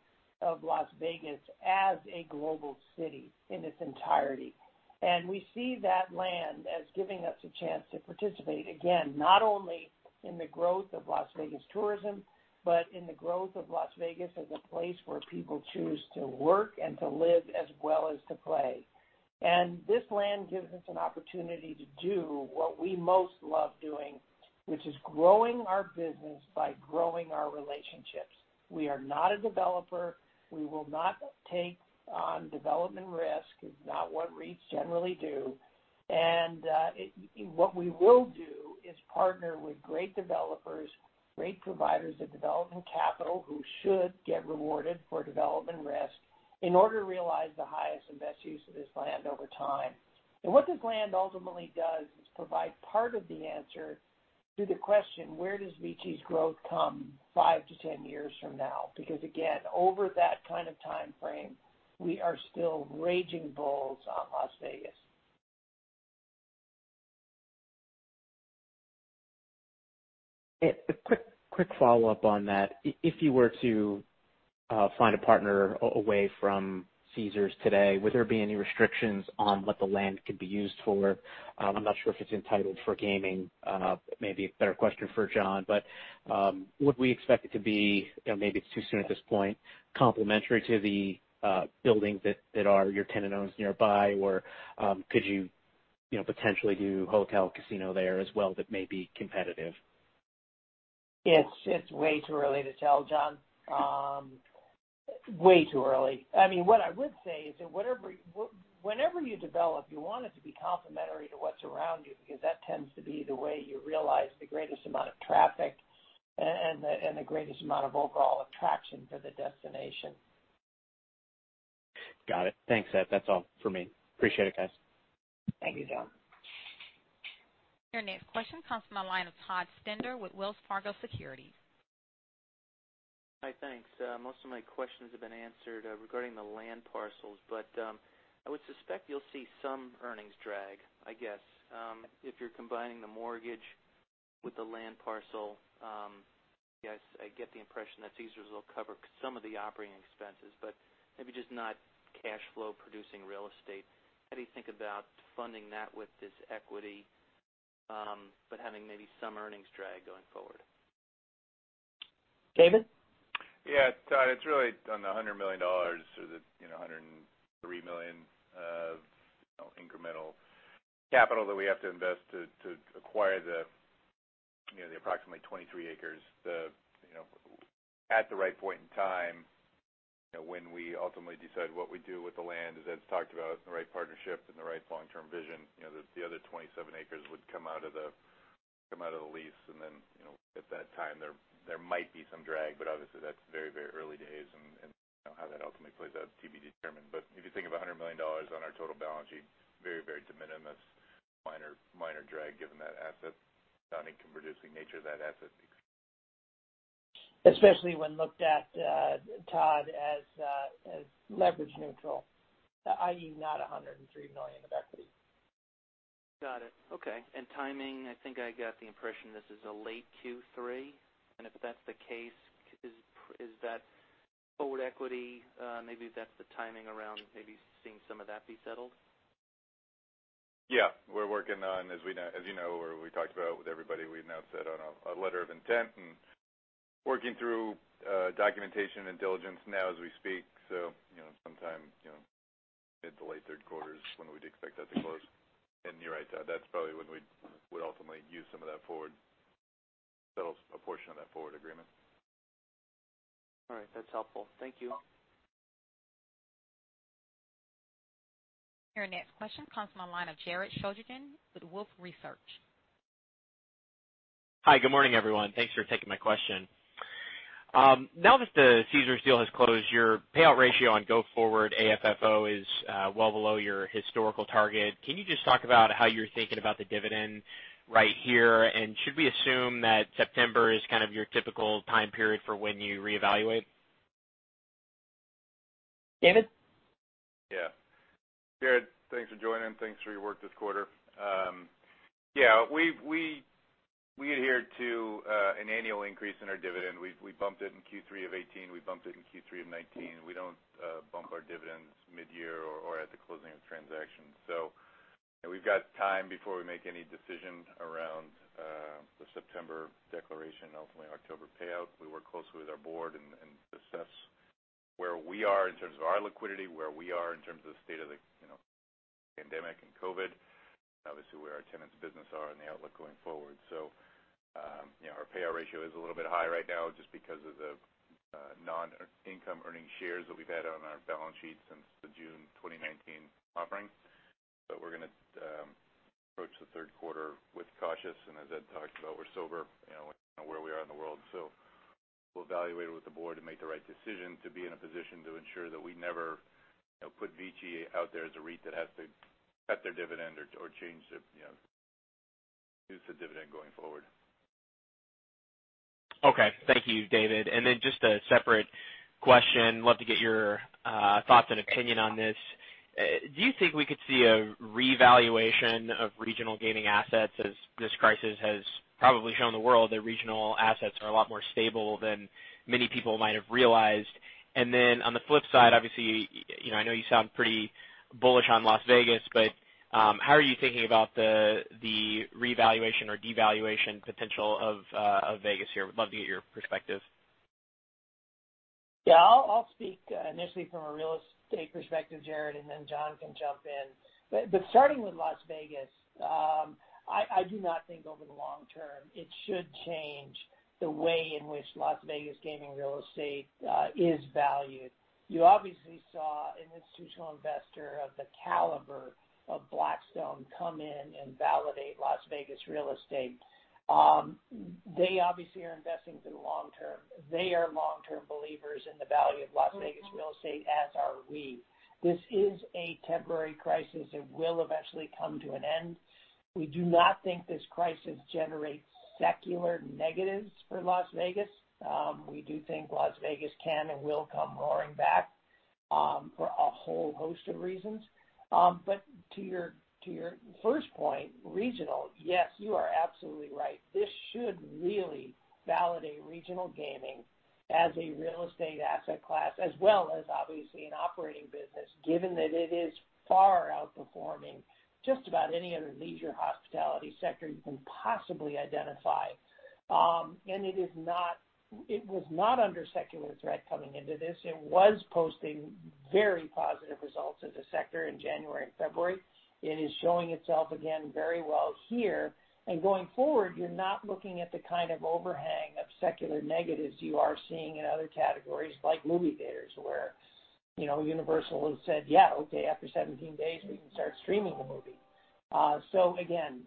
of Las Vegas as a global city in its entirety. We see that land as giving us a chance to participate, again, not only in the growth of Las Vegas tourism, but in the growth of Las Vegas as a place where people choose to work and to live, as well as to play. This land gives us an opportunity to do what we most love doing, which is growing our business by growing our relationships. We are not a developer. We will not take on development risk. It's not what REITs generally do. What we will do is partner with great developers, great providers of development capital, who should get rewarded for development risk in order to realize the highest and best use of this land over time. What this land ultimately does is provide part of the answer to the question: where does VICI's growth come five to 10 years from now? Again, over that kind of timeframe, we are still raging bulls on Las Vegas. Ed, a quick follow-up on that. If you were to find a partner away from Caesars today, would there be any restrictions on what the land could be used for? I'm not sure if it's entitled for gaming. Maybe a better question for John, but would we expect it to be, maybe it's too soon at this point, complementary to the buildings that are your tenant-owned nearby, or could you potentially do hotel casino there as well that may be competitive? It's way too early to tell, John. Way too early. What I would say is that whenever you develop, you want it to be complementary to what's around you, because that tends to be the way you realize the greatest amount of traffic and the greatest amount of overall attraction to the destination. Got it. Thanks, Ed. That's all for me. Appreciate it, guys. Thank you, John. Your next question comes from the line of Todd Stender with Wells Fargo Securities. Hi, thanks. Most of my questions have been answered regarding the land parcels. I would suspect you'll see some earnings drag, I guess. If you're combining the mortgage with the land parcel, I get the impression that Caesars will cover some of the operating expenses, but maybe just not cash flow producing real estate. How do you think about funding that with this equity, but having maybe some earnings drag going forward? David? Yeah, Todd, it is really on the $100 million or the $103 million of incremental capital that we have to invest to acquire the approximately 23 acres. At the right point in time, when we ultimately decide what we do with the land, as Ed talked about, the right partnership and the right long-term vision, the other 27 acres would come out of the lease and then, at that time, there might be some drag, but obviously that is very early days and how that ultimately plays out is to be determined. If you think of $100 million on our total balance sheet, very de minimis, minor drag given that asset, non-income producing nature of that asset mix. Especially when looked at, Todd, as leverage neutral, i.e., not $103 million of equity. Got it. Okay. Timing, I think I got the impression this is a late Q3, and if that's the case, is that forward equity? Maybe that's the timing around maybe seeing some of that be settled? Yeah. We're working on, as you know or we talked about with everybody, we've now set on a letter of intent and working through documentation and diligence now as we speak. Sometime mid to late Q3 is when we'd expect that to close. You're right, Todd, that's probably when we'd ultimately use some of that forward, settle a portion of that forward agreement. All right. That's helpful. Thank you. Your next question comes from the line of Jared Shojaian with Wolfe Research. Hi, good morning, everyone. Thanks for taking my question. Now that the Caesars deal has closed, your payout ratio on go-forward AFFO is well below your historical target. Can you just talk about how you're thinking about the dividend right here? Should we assume that September is kind of your typical time period for when you reevaluate? David? Jared, thanks for joining. Thanks for your work this quarter. We adhered to an annual increase in our dividend. We bumped it in Q3 of 2018. We bumped it in Q3 of 2019. We don't bump our dividends mid-year or at the closing of transactions. We've got time before we make any decision around the September declaration, ultimately October payout. We work closely with our board and assess where we are in terms of our liquidity, where we are in terms of the state of the pandemic and COVID, obviously where our tenants' business are and the outlook going forward. Our payout ratio is a little bit high right now just because of the non-income earning shares that we've had on our balance sheet since the June 2019 offering. We're going to approach the Q3 with caution, and as Ed talked about, we're sober, we know where we are in the world. We'll evaluate with the board and make the right decision to be in a position to ensure that we never put VICI out there as a REIT that has to cut their dividend or change the dividend going forward. Okay. Thank you, David. Just a separate question. Love to get your thoughts and opinion on this. Do you think we could see a revaluation of regional gaming assets as this crisis has probably shown the world that regional assets are a lot more stable than many people might have realized? On the flip side, obviously, I know you sound pretty bullish on Las Vegas, but how are you thinking about the revaluation or devaluation potential of Vegas here? Would love to get your perspective. Yeah, I'll speak initially from a real estate perspective, Jared, and then John can jump in. Starting with Las Vegas, I do not think over the long term it should change the way in which Las Vegas gaming real estate is valued. You obviously saw an institutional investor of the caliber of Blackstone come in and validate Las Vegas real estate. They obviously are investing for the long term. They are long-term believers in the value of Las Vegas real estate, as are we. This is a temporary crisis. It will eventually come to an end. We do not think this crisis generates secular negatives for Las Vegas. We do think Las Vegas can and will come roaring back, for a whole host of reasons. To your first point, regional, yes, you are absolutely right. This should really validate regional gaming as a real estate asset class, as well as obviously an operating business, given that it is far outperforming just about any other leisure hospitality sector you can possibly identify. It was not under secular threat coming into this. It was posting very positive results as a sector in January and February. It is showing itself again very well here. Going forward, you're not looking at the kind of overhang of secular negatives you are seeing in other categories like movie theaters where Universal has said, "Yeah, okay, after 17 days, we can start streaming the movie." Again,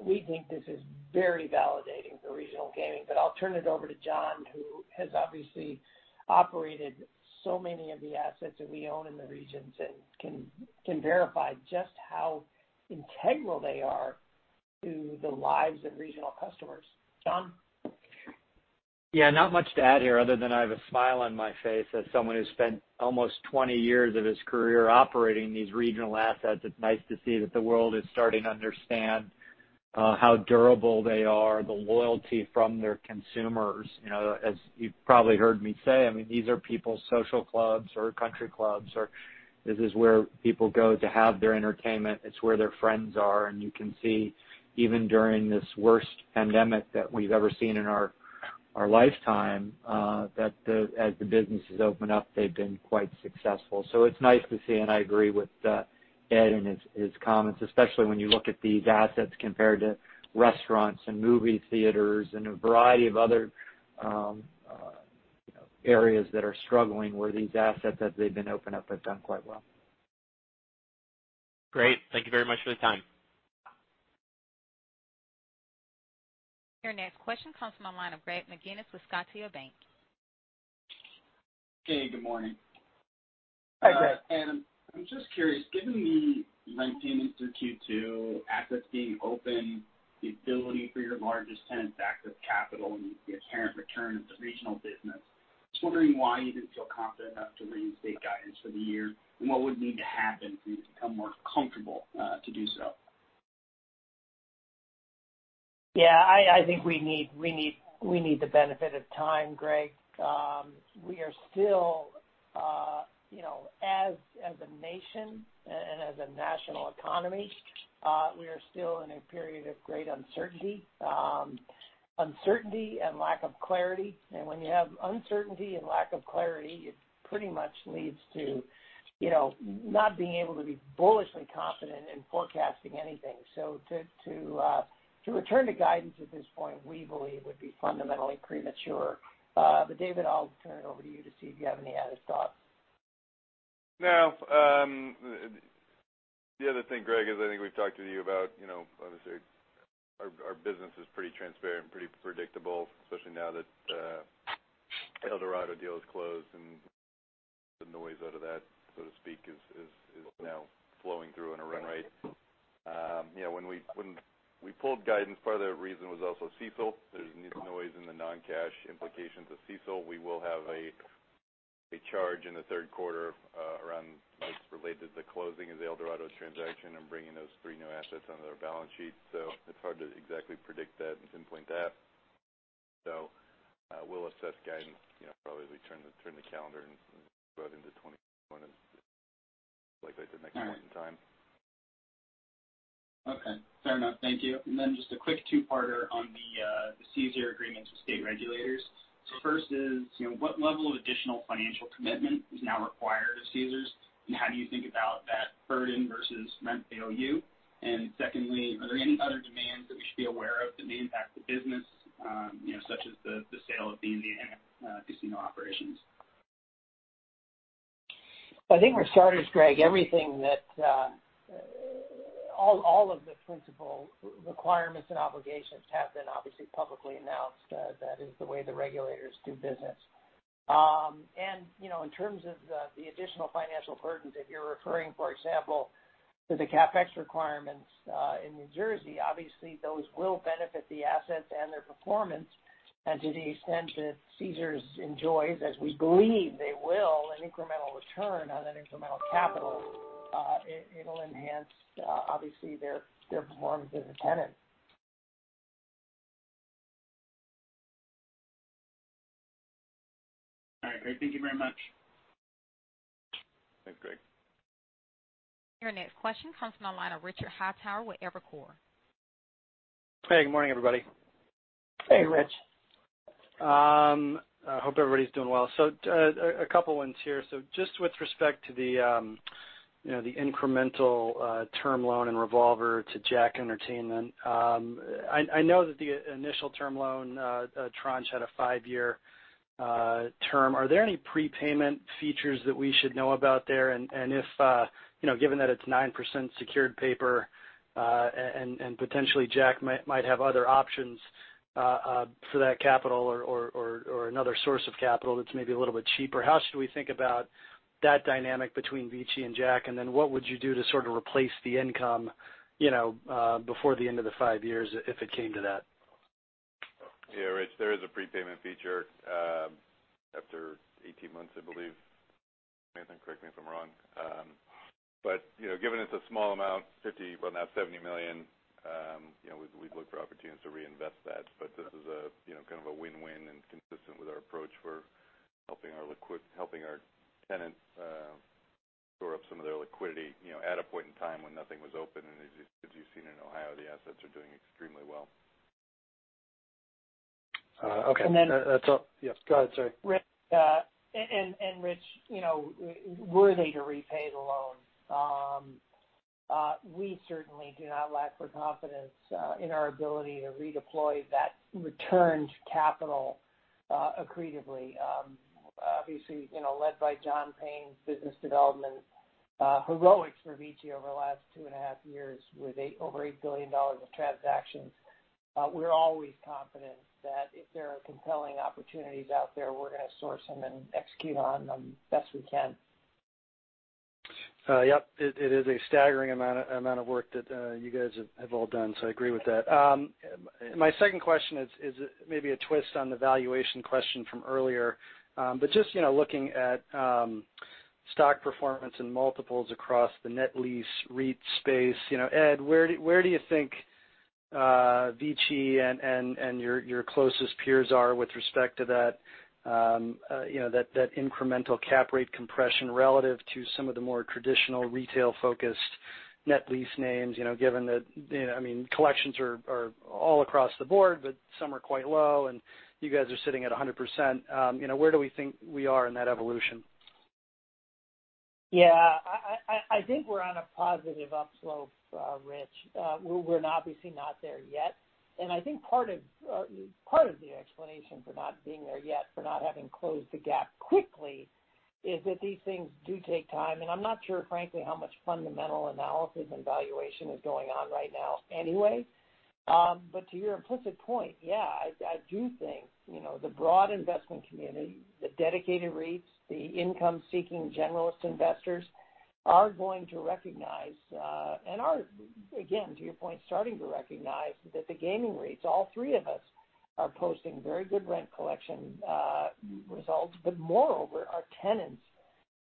we think this is very validating for regional gaming. I'll turn it over to John, who has obviously operated so many of the assets that we own in the regions and can verify just how integral they are to the lives of regional customers. John? Not much to add here other than I have a smile on my face as someone who's spent almost 20 years of his career operating these regional assets. It's nice to see that the world is starting to understand how durable they are, the loyalty from their consumers. As you've probably heard me say, these are people's social clubs or country clubs, or this is where people go to have their entertainment. It's where their friends are. You can see even during this worst pandemic that we've ever seen in our lifetime, that as the businesses open up, they've been quite successful. It's nice to see, and I agree with Ed and his comments, especially when you look at these assets compared to restaurants and movie theaters and a variety of other areas that are struggling where these assets, as they've been opening up, have done quite well. Great. Thank you very much for the time. Your next question comes from the line of Greg McGinnis with Scotiabank. Hey, good morning. Hi, Greg. I'm just curious, given the rent payments through Q2, assets being open, the ability for your largest tenants to access capital and the inherent return of the regional business, just wondering why you didn't feel confident enough to reinstate guidance for the year and what would need to happen for you to become more comfortable to do so? Yeah, I think we need the benefit of time, Greg. We are still, as a nation and as a national economy, we are still in a period of great uncertainty. Uncertainty and lack of clarity. When you have uncertainty and lack of clarity, it pretty much leads to not being able to be bullishly confident in forecasting anything. To return to guidance at this point, we believe would be fundamentally premature. David, I'll turn it over to you to see if you have any added thoughts. No. The other thing, Greg, is I think we've talked to you about, obviously our business is pretty transparent and pretty predictable, especially now that the Eldorado deal is closed and the noise out of that, so to speak, is now flowing through in a run rate. When we pulled guidance, part of that reason was also CECL. There's noise in the non-cash implications of CECL. We will have a charge in the Q3 around what's related to the closing of the Eldorado transaction and bringing those three new assets onto our balance sheet. It's hard to exactly predict that and pinpoint that. We'll assess guidance, probably we turn the calendar and go out into like I did next point in time. All right. Okay, fair enough. Thank you. Just a quick two-parter on the CECL agreements with state regulators. First is, what level of additional financial commitment is now required of Caesars, and how do you think about that burden versus rent AOU? Secondly, are there any other demands that we should be aware of that may impact the business, such as the sale of the Indiana casino operations? I think for starters, Greg, all of the principal requirements and obligations have been obviously publicly announced. That is the way the regulators do business. In terms of the additional financial burdens, if you're referring, for example, to the CapEx requirements in New Jersey, obviously those will benefit the assets and their performance. To the extent that Caesars enjoys, as we believe they will, an incremental return on that incremental capital, it'll enhance, obviously, their performance as a tenant. All right. Great. Thank you very much. Thanks, Greg. Your next question comes from the line of Rich Hightower with Evercore. Hey, good morning, everybody. Hey, Rich. I hope everybody's doing well. A couple ones here. Just with respect to the incremental term loan and revolver to JACK Entertainment, I know that the initial term loan tranche had a five-year term. Are there any prepayment features that we should know about there? If, given that it's 9% secured paper, and potentially Jack might have other options for that capital or another source of capital that's maybe a little bit cheaper, how should we think about that dynamic between VICI and Jack? What would you do to sort of replace the income before the end of the five years if it came to that? Yeah, Rich, there is a prepayment feature after 18 months, I believe. Nathan, correct me if I'm wrong. Given it's a small amount, $50, well now $70 million, we'd look for opportunities to reinvest that. This is kind of a win-win and consistent with our approach for helping our tenants shore up some of their liquidity, at a point in time when nothing was open. As you've seen in Ohio, the assets are doing extremely well. Okay. And then- That's all. Yes, go ahead, sorry. Rich, were they to repay the loan, we certainly do not lack for confidence in our ability to redeploy that returned capital accretively. Obviously, led by John Payne's business development heroics for VICI over the last two and a half years with over $8 billion of transactions. We're always confident that if there are compelling opportunities out there, we're going to source them and execute on them best we can. Yep. It is a staggering amount of work that you guys have all done. I agree with that. My second question is maybe a twist on the valuation question from earlier. Just looking at stock performance and multiples across the net lease REIT space, Ed, where do you think VICI and your closest peers are with respect to that incremental cap rate compression relative to some of the more traditional retail-focused net lease names, given that, collections are all across the board, but some are quite low, and you guys are sitting at 100%. Where do we think we are in that evolution? Yeah. I think we're on a positive up slope, Rich. We're obviously not there yet. I think part of the explanation for not being there yet, for not having closed the gap quickly, is that these things do take time. I'm not sure, frankly, how much fundamental analysis and valuation is going on right now anyway. To your implicit point, yeah, I do think, the broad investment community, the dedicated REITs, the income-seeking generalist investors, are going to recognize, and are, again, to your point, starting to recognize that the gaming REITs, all three of us, are posting very good rent collection results. Moreover, our tenants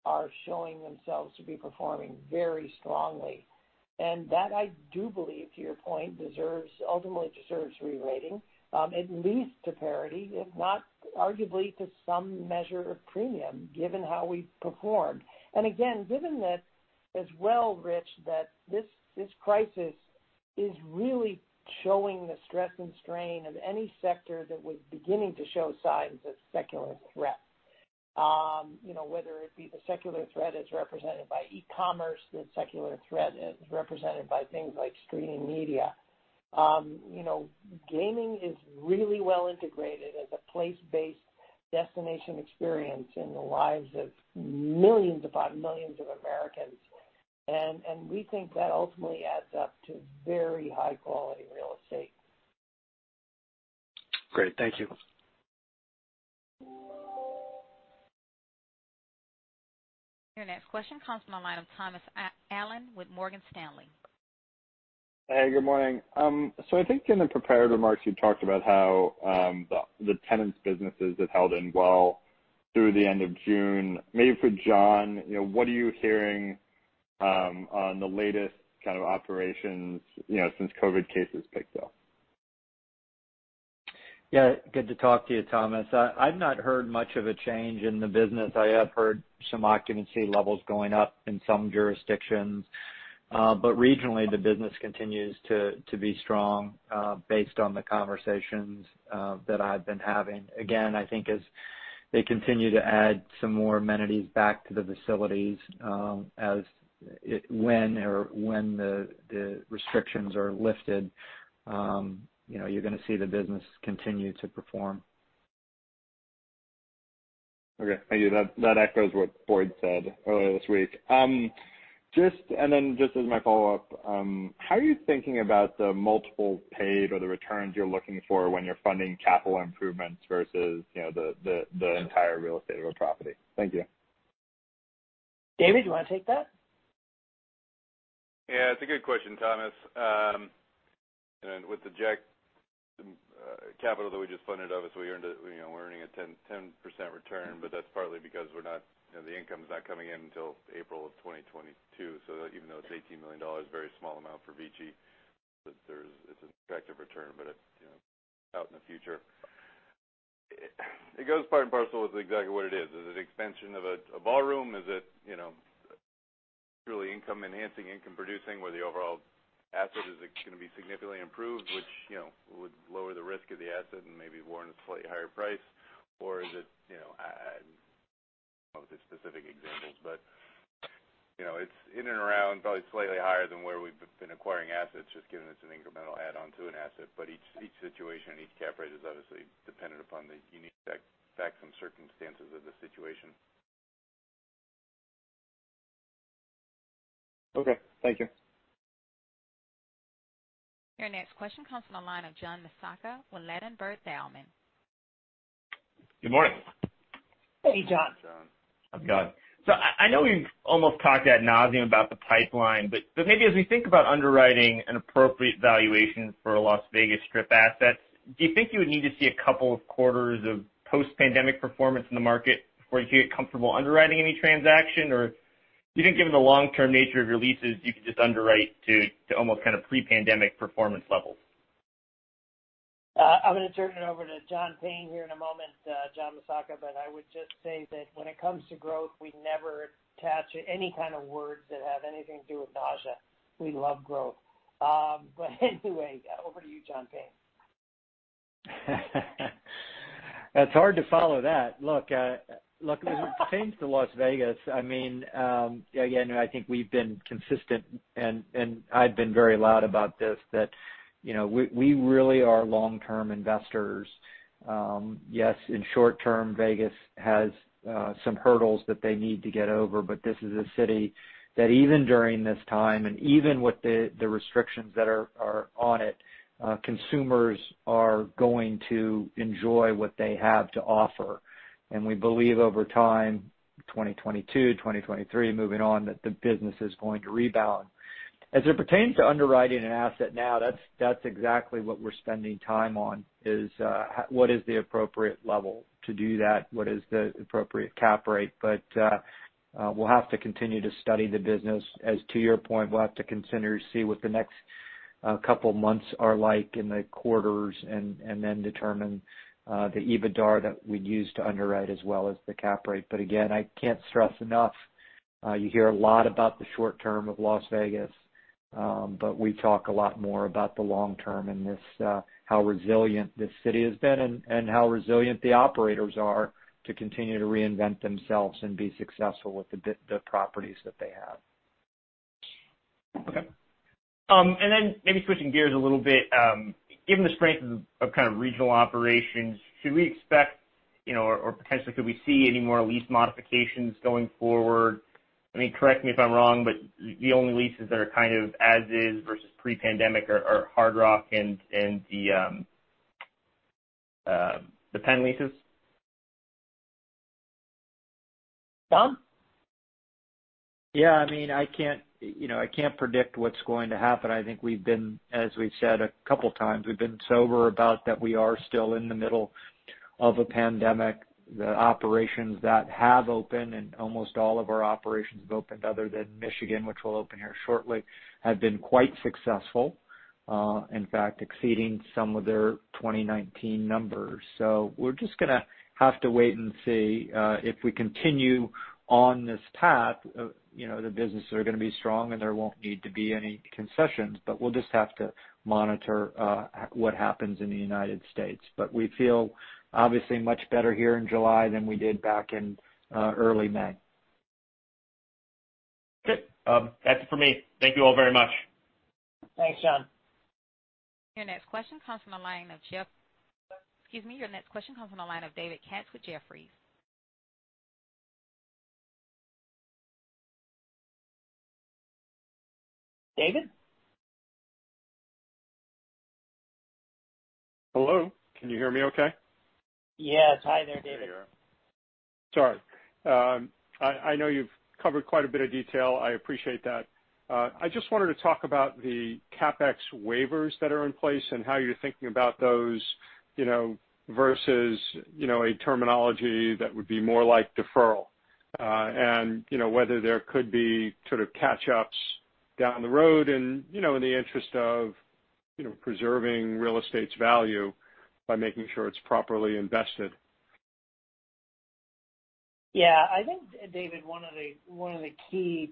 are showing themselves to be performing very strongly. That, I do believe, to your point, ultimately deserves rerating, at least to parity, if not arguably to some measure of premium, given how we've performed. Again, given that as well, Rich, that this crisis is really showing the stress and strain of any sector that was beginning to show signs of secular threat. Whether it be the secular threat as represented by e-commerce, the secular threat as represented by things like streaming media. Gaming is really well integrated as a place-based destination experience in the lives of millions upon millions of Americans. We think that ultimately adds up to very high-quality real estate. Great. Thank you. Your next question comes from the line of Thomas Allen with Morgan Stanley. Hey, good morning. I think in the prepared remarks, you talked about how the tenants' businesses have held in well through the end of June. Maybe for John, what are you hearing on the latest kind of operations since COVID cases picked up? Yeah. Good to talk to you, Thomas. I've not heard much of a change in the business. Regionally, the business continues to be strong based on the conversations that I've been having. Again, I think as they continue to add some more amenities back to the facilities when the restrictions are lifted, you're going to see the business continue to perform. Okay. Thank you. That echoes what Boyd said earlier this week. Just as my follow-up, how are you thinking about the multiple paid or the returns you're looking for when you're funding capital improvements versus the entire real estate of a property? Thank you. David, do you want to take that? Yeah, it's a good question, Thomas. With the JACK capital that we just funded, obviously we're earning a 10% return, but that's partly because the income's not coming in until April of 2022. Even though it's $18 million, a very small amount for VICI, it's an effective return, but it's out in the future. It goes part and parcel with exactly what it is. Is it expansion of a ballroom? Is it really income enhancing, income producing, where the overall asset is going to be significantly improved, which would lower the risk of the asset and maybe warrant a slightly higher price? Is it I don't know the specific examples, but it's in and around probably slightly higher than where we've been acquiring assets, just given it's an incremental add-on to an asset. Each situation and each cap rate is obviously dependent upon the unique facts and circumstances of the situation. Okay. Thank you. Your next question comes from the line of John Massocca with Ladenburg Thalmann. Good morning. Hey, John. Hey, John. How's it going? I know you've almost talked ad nauseam about the pipeline, but maybe as we think about underwriting an appropriate valuation for a Las Vegas Strip asset, do you think you would need to see a couple of quarters of post-pandemic performance in the market before you feel comfortable underwriting any transaction? Do you think given the long-term nature of your leases, you could just underwrite to almost kind of pre-pandemic performance levels? I'm going to turn it over to John Payne here in a moment, John Massocca. I would just say that when it comes to growth, we never attach any kind of words that have anything to do with nausea. We love growth. Anyway, over to you, John Payne. It's hard to follow that. As it pertains to Las Vegas, again, I think we've been consistent, and I've been very loud about this, that we really are long-term investors. Yes, in short-term, Vegas has some hurdles that they need to get over, but this is a city that even during this time, and even with the restrictions that are on it, consumers are going to enjoy what they have to offer. We believe over time, 2022, 2023, moving on, that the business is going to rebound. As it pertains to underwriting an asset now, that's exactly what we're spending time on is, what is the appropriate level to do that? What is the appropriate cap rate? We'll have to continue to study the business. As to your point, we'll have to consider to see what the next couple of months are like in the quarters, and then determine the EBITDAR that we'd use to underwrite as well as the cap rate. Again, I can't stress enough, you hear a lot about the short-term of Las Vegas. We talk a lot more about the long-term and how resilient this city has been and how resilient the operators are to continue to reinvent themselves and be successful with the properties that they have. Okay. Maybe switching gears a little bit, given the strength of kind of regional operations, should we expect, or potentially could we see any more lease modifications going forward? Correct me if I'm wrong, but the only leases that are kind of as is versus pre-pandemic are Hard Rock and the Penn leases. Jom? Yeah, I can't predict what's going to happen. I think as we've said a couple times, we've been sober about that we are still in the middle of a pandemic. The operations that have opened, and almost all of our operations have opened other than Michigan, which will open here shortly, have been quite successful. In fact, exceeding some of their 2019 numbers. We're just going to have to wait and see. If we continue on this path, the business are going to be strong, and there won't need to be any concessions, but we'll just have to monitor what happens in the United States. We feel obviously much better here in July than we did back in early May. Good. That's it for me. Thank you all very much. Thanks, John. Your next question comes from the line of David Katz with Jefferies. David? Hello, can you hear me okay? Yes. Hi there, David. Yeah Sorry. I know you've covered quite a bit of detail. I appreciate that. I just wanted to talk about the CapEx waivers that are in place and how you're thinking about those, versus a terminology that would be more like deferral. Whether there could be sort of catch-ups down the road and in the interest of preserving real estate's value by making sure it's properly invested. Yeah. I think, David, one of the key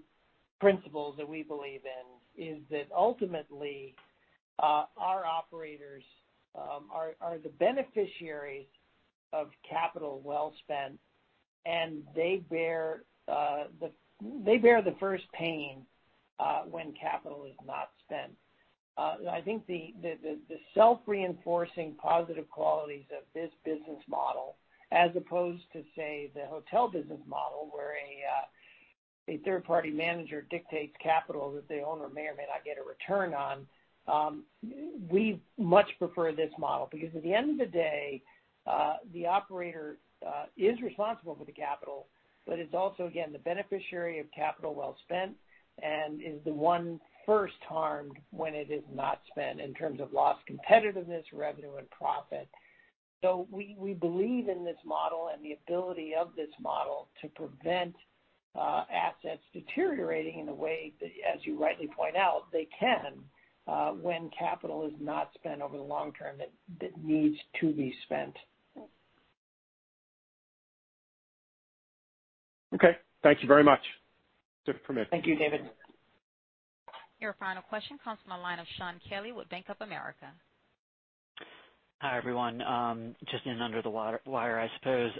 principles that we believe in is that ultimately, our operators are the beneficiaries of capital well spent, and they bear the first pain when capital is not spent. I think the self-reinforcing positive qualities of this business model, as opposed to, say, the hotel business model, where a third-party manager dictates capital that the owner may or may not get a return on. We much prefer this model because at the end of the day, the operator is responsible for the capital, but is also, again, the beneficiary of capital well spent and is the one first harmed when it is not spent in terms of lost competitiveness, revenue, and profit. We believe in this model and the ability of this model to prevent assets deteriorating in a way that, as you rightly point out, they can, when capital is not spent over the long term that needs to be spent. Okay. Thank you very much. Different from here. Thank you, David. Your final question comes from the line of Shaun Kelley with Bank of America. Hi, everyone. Just in under the wire, I suppose.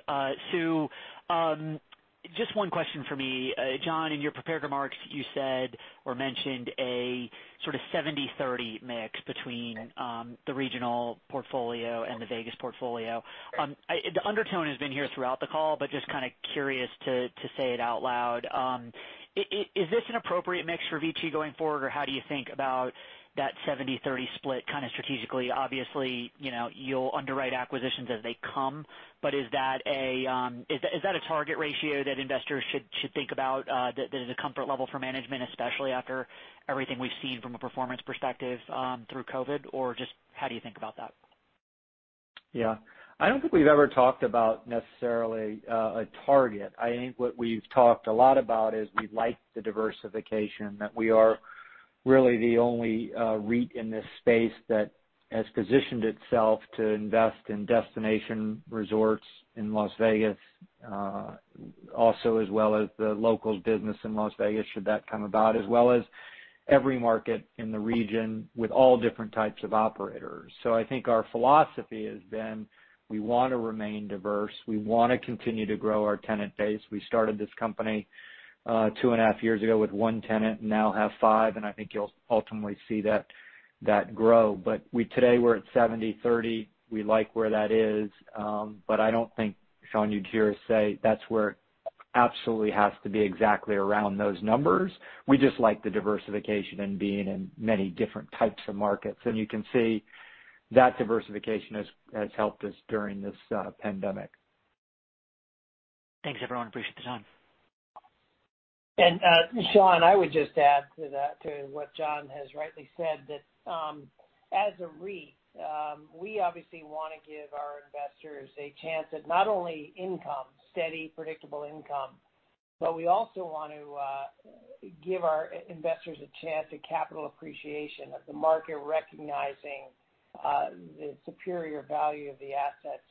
So, just one question from me. John, in your prepared remarks, you said or mentioned a sort of 70/30 mix between the regional portfolio and the Vegas portfolio. The undertone has been here throughout the call, just kind of curious to say it out loud. Is this an appropriate mix for VICI going forward, or how do you think about that 70/30 split strategically? Obviously, you'll underwrite acquisitions as they come, is that a target ratio that investors should think about that is a comfort level for management, especially after everything we've seen from a performance perspective through COVID, or just how do you think about that? Yeah. I don't think we've ever talked about necessarily a target. I think what we've talked a lot about is we like the diversification. We are really the only REIT in this space that has positioned itself to invest in destination resorts in Las Vegas. As well as the local business in Las Vegas, should that come about, as well as every market in the region with all different types of operators. I think our philosophy has been we want to remain diverse. We want to continue to grow our tenant base. We started this company two and a half years ago with one tenant and now have five, I think you'll ultimately see that grow. Today we're at 70/30. We like where that is. I don't think, Shaun, you'd hear us say that's where it absolutely has to be exactly around those numbers. We just like the diversification and being in many different types of markets. You can see that diversification has helped us during this pandemic. Thanks, everyone. Appreciate the time. Shaun, I would just add to that, to what John has rightly said, that as a REIT, we obviously want to give our investors a chance at not only income, steady, predictable income, but we also want to give our investors a chance at capital appreciation, of the market recognizing the superior value of the assets.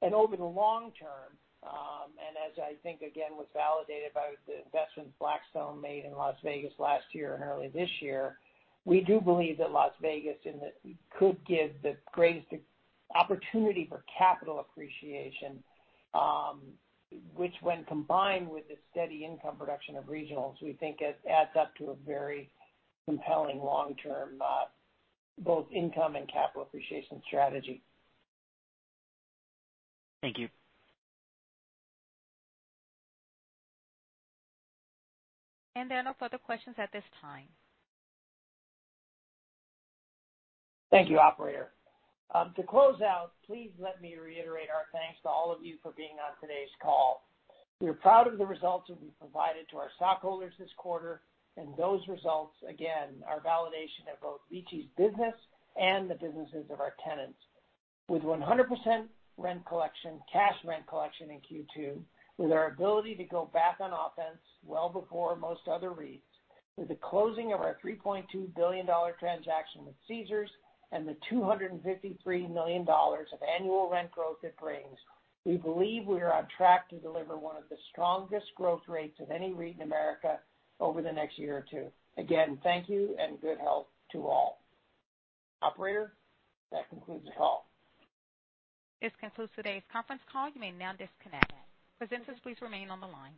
Over the long term, and as I think, again, was validated by the investments Blackstone made in Las Vegas last year and early this year, we do believe that Las Vegas could give the greatest opportunity for capital appreciation. Which when combined with the steady income production of regionals, we think it adds up to a very compelling long-term, both income and capital appreciation strategy. Thank you. There are no further questions at this time. Thank you, operator. To close out, please let me reiterate our thanks to all of you for being on today's call. We are proud of the results that we provided to our stockholders this quarter. Those results, again, are validation of both VICI Properties's business and the businesses of our tenants. With 100% rent collection, cash rent collection in Q2, with our ability to go back on offense well before most other REITs, with the closing of our $3.2 billion transaction with Caesars Entertainment and the $253 million of annual rent growth it brings, we believe we are on track to deliver one of the strongest growth rates of any REIT in America over the next year or two. Again, thank you, and good health to all. Operator, that concludes the call. This concludes today's conference call. You may now disconnect. Presenters, please remain on the line.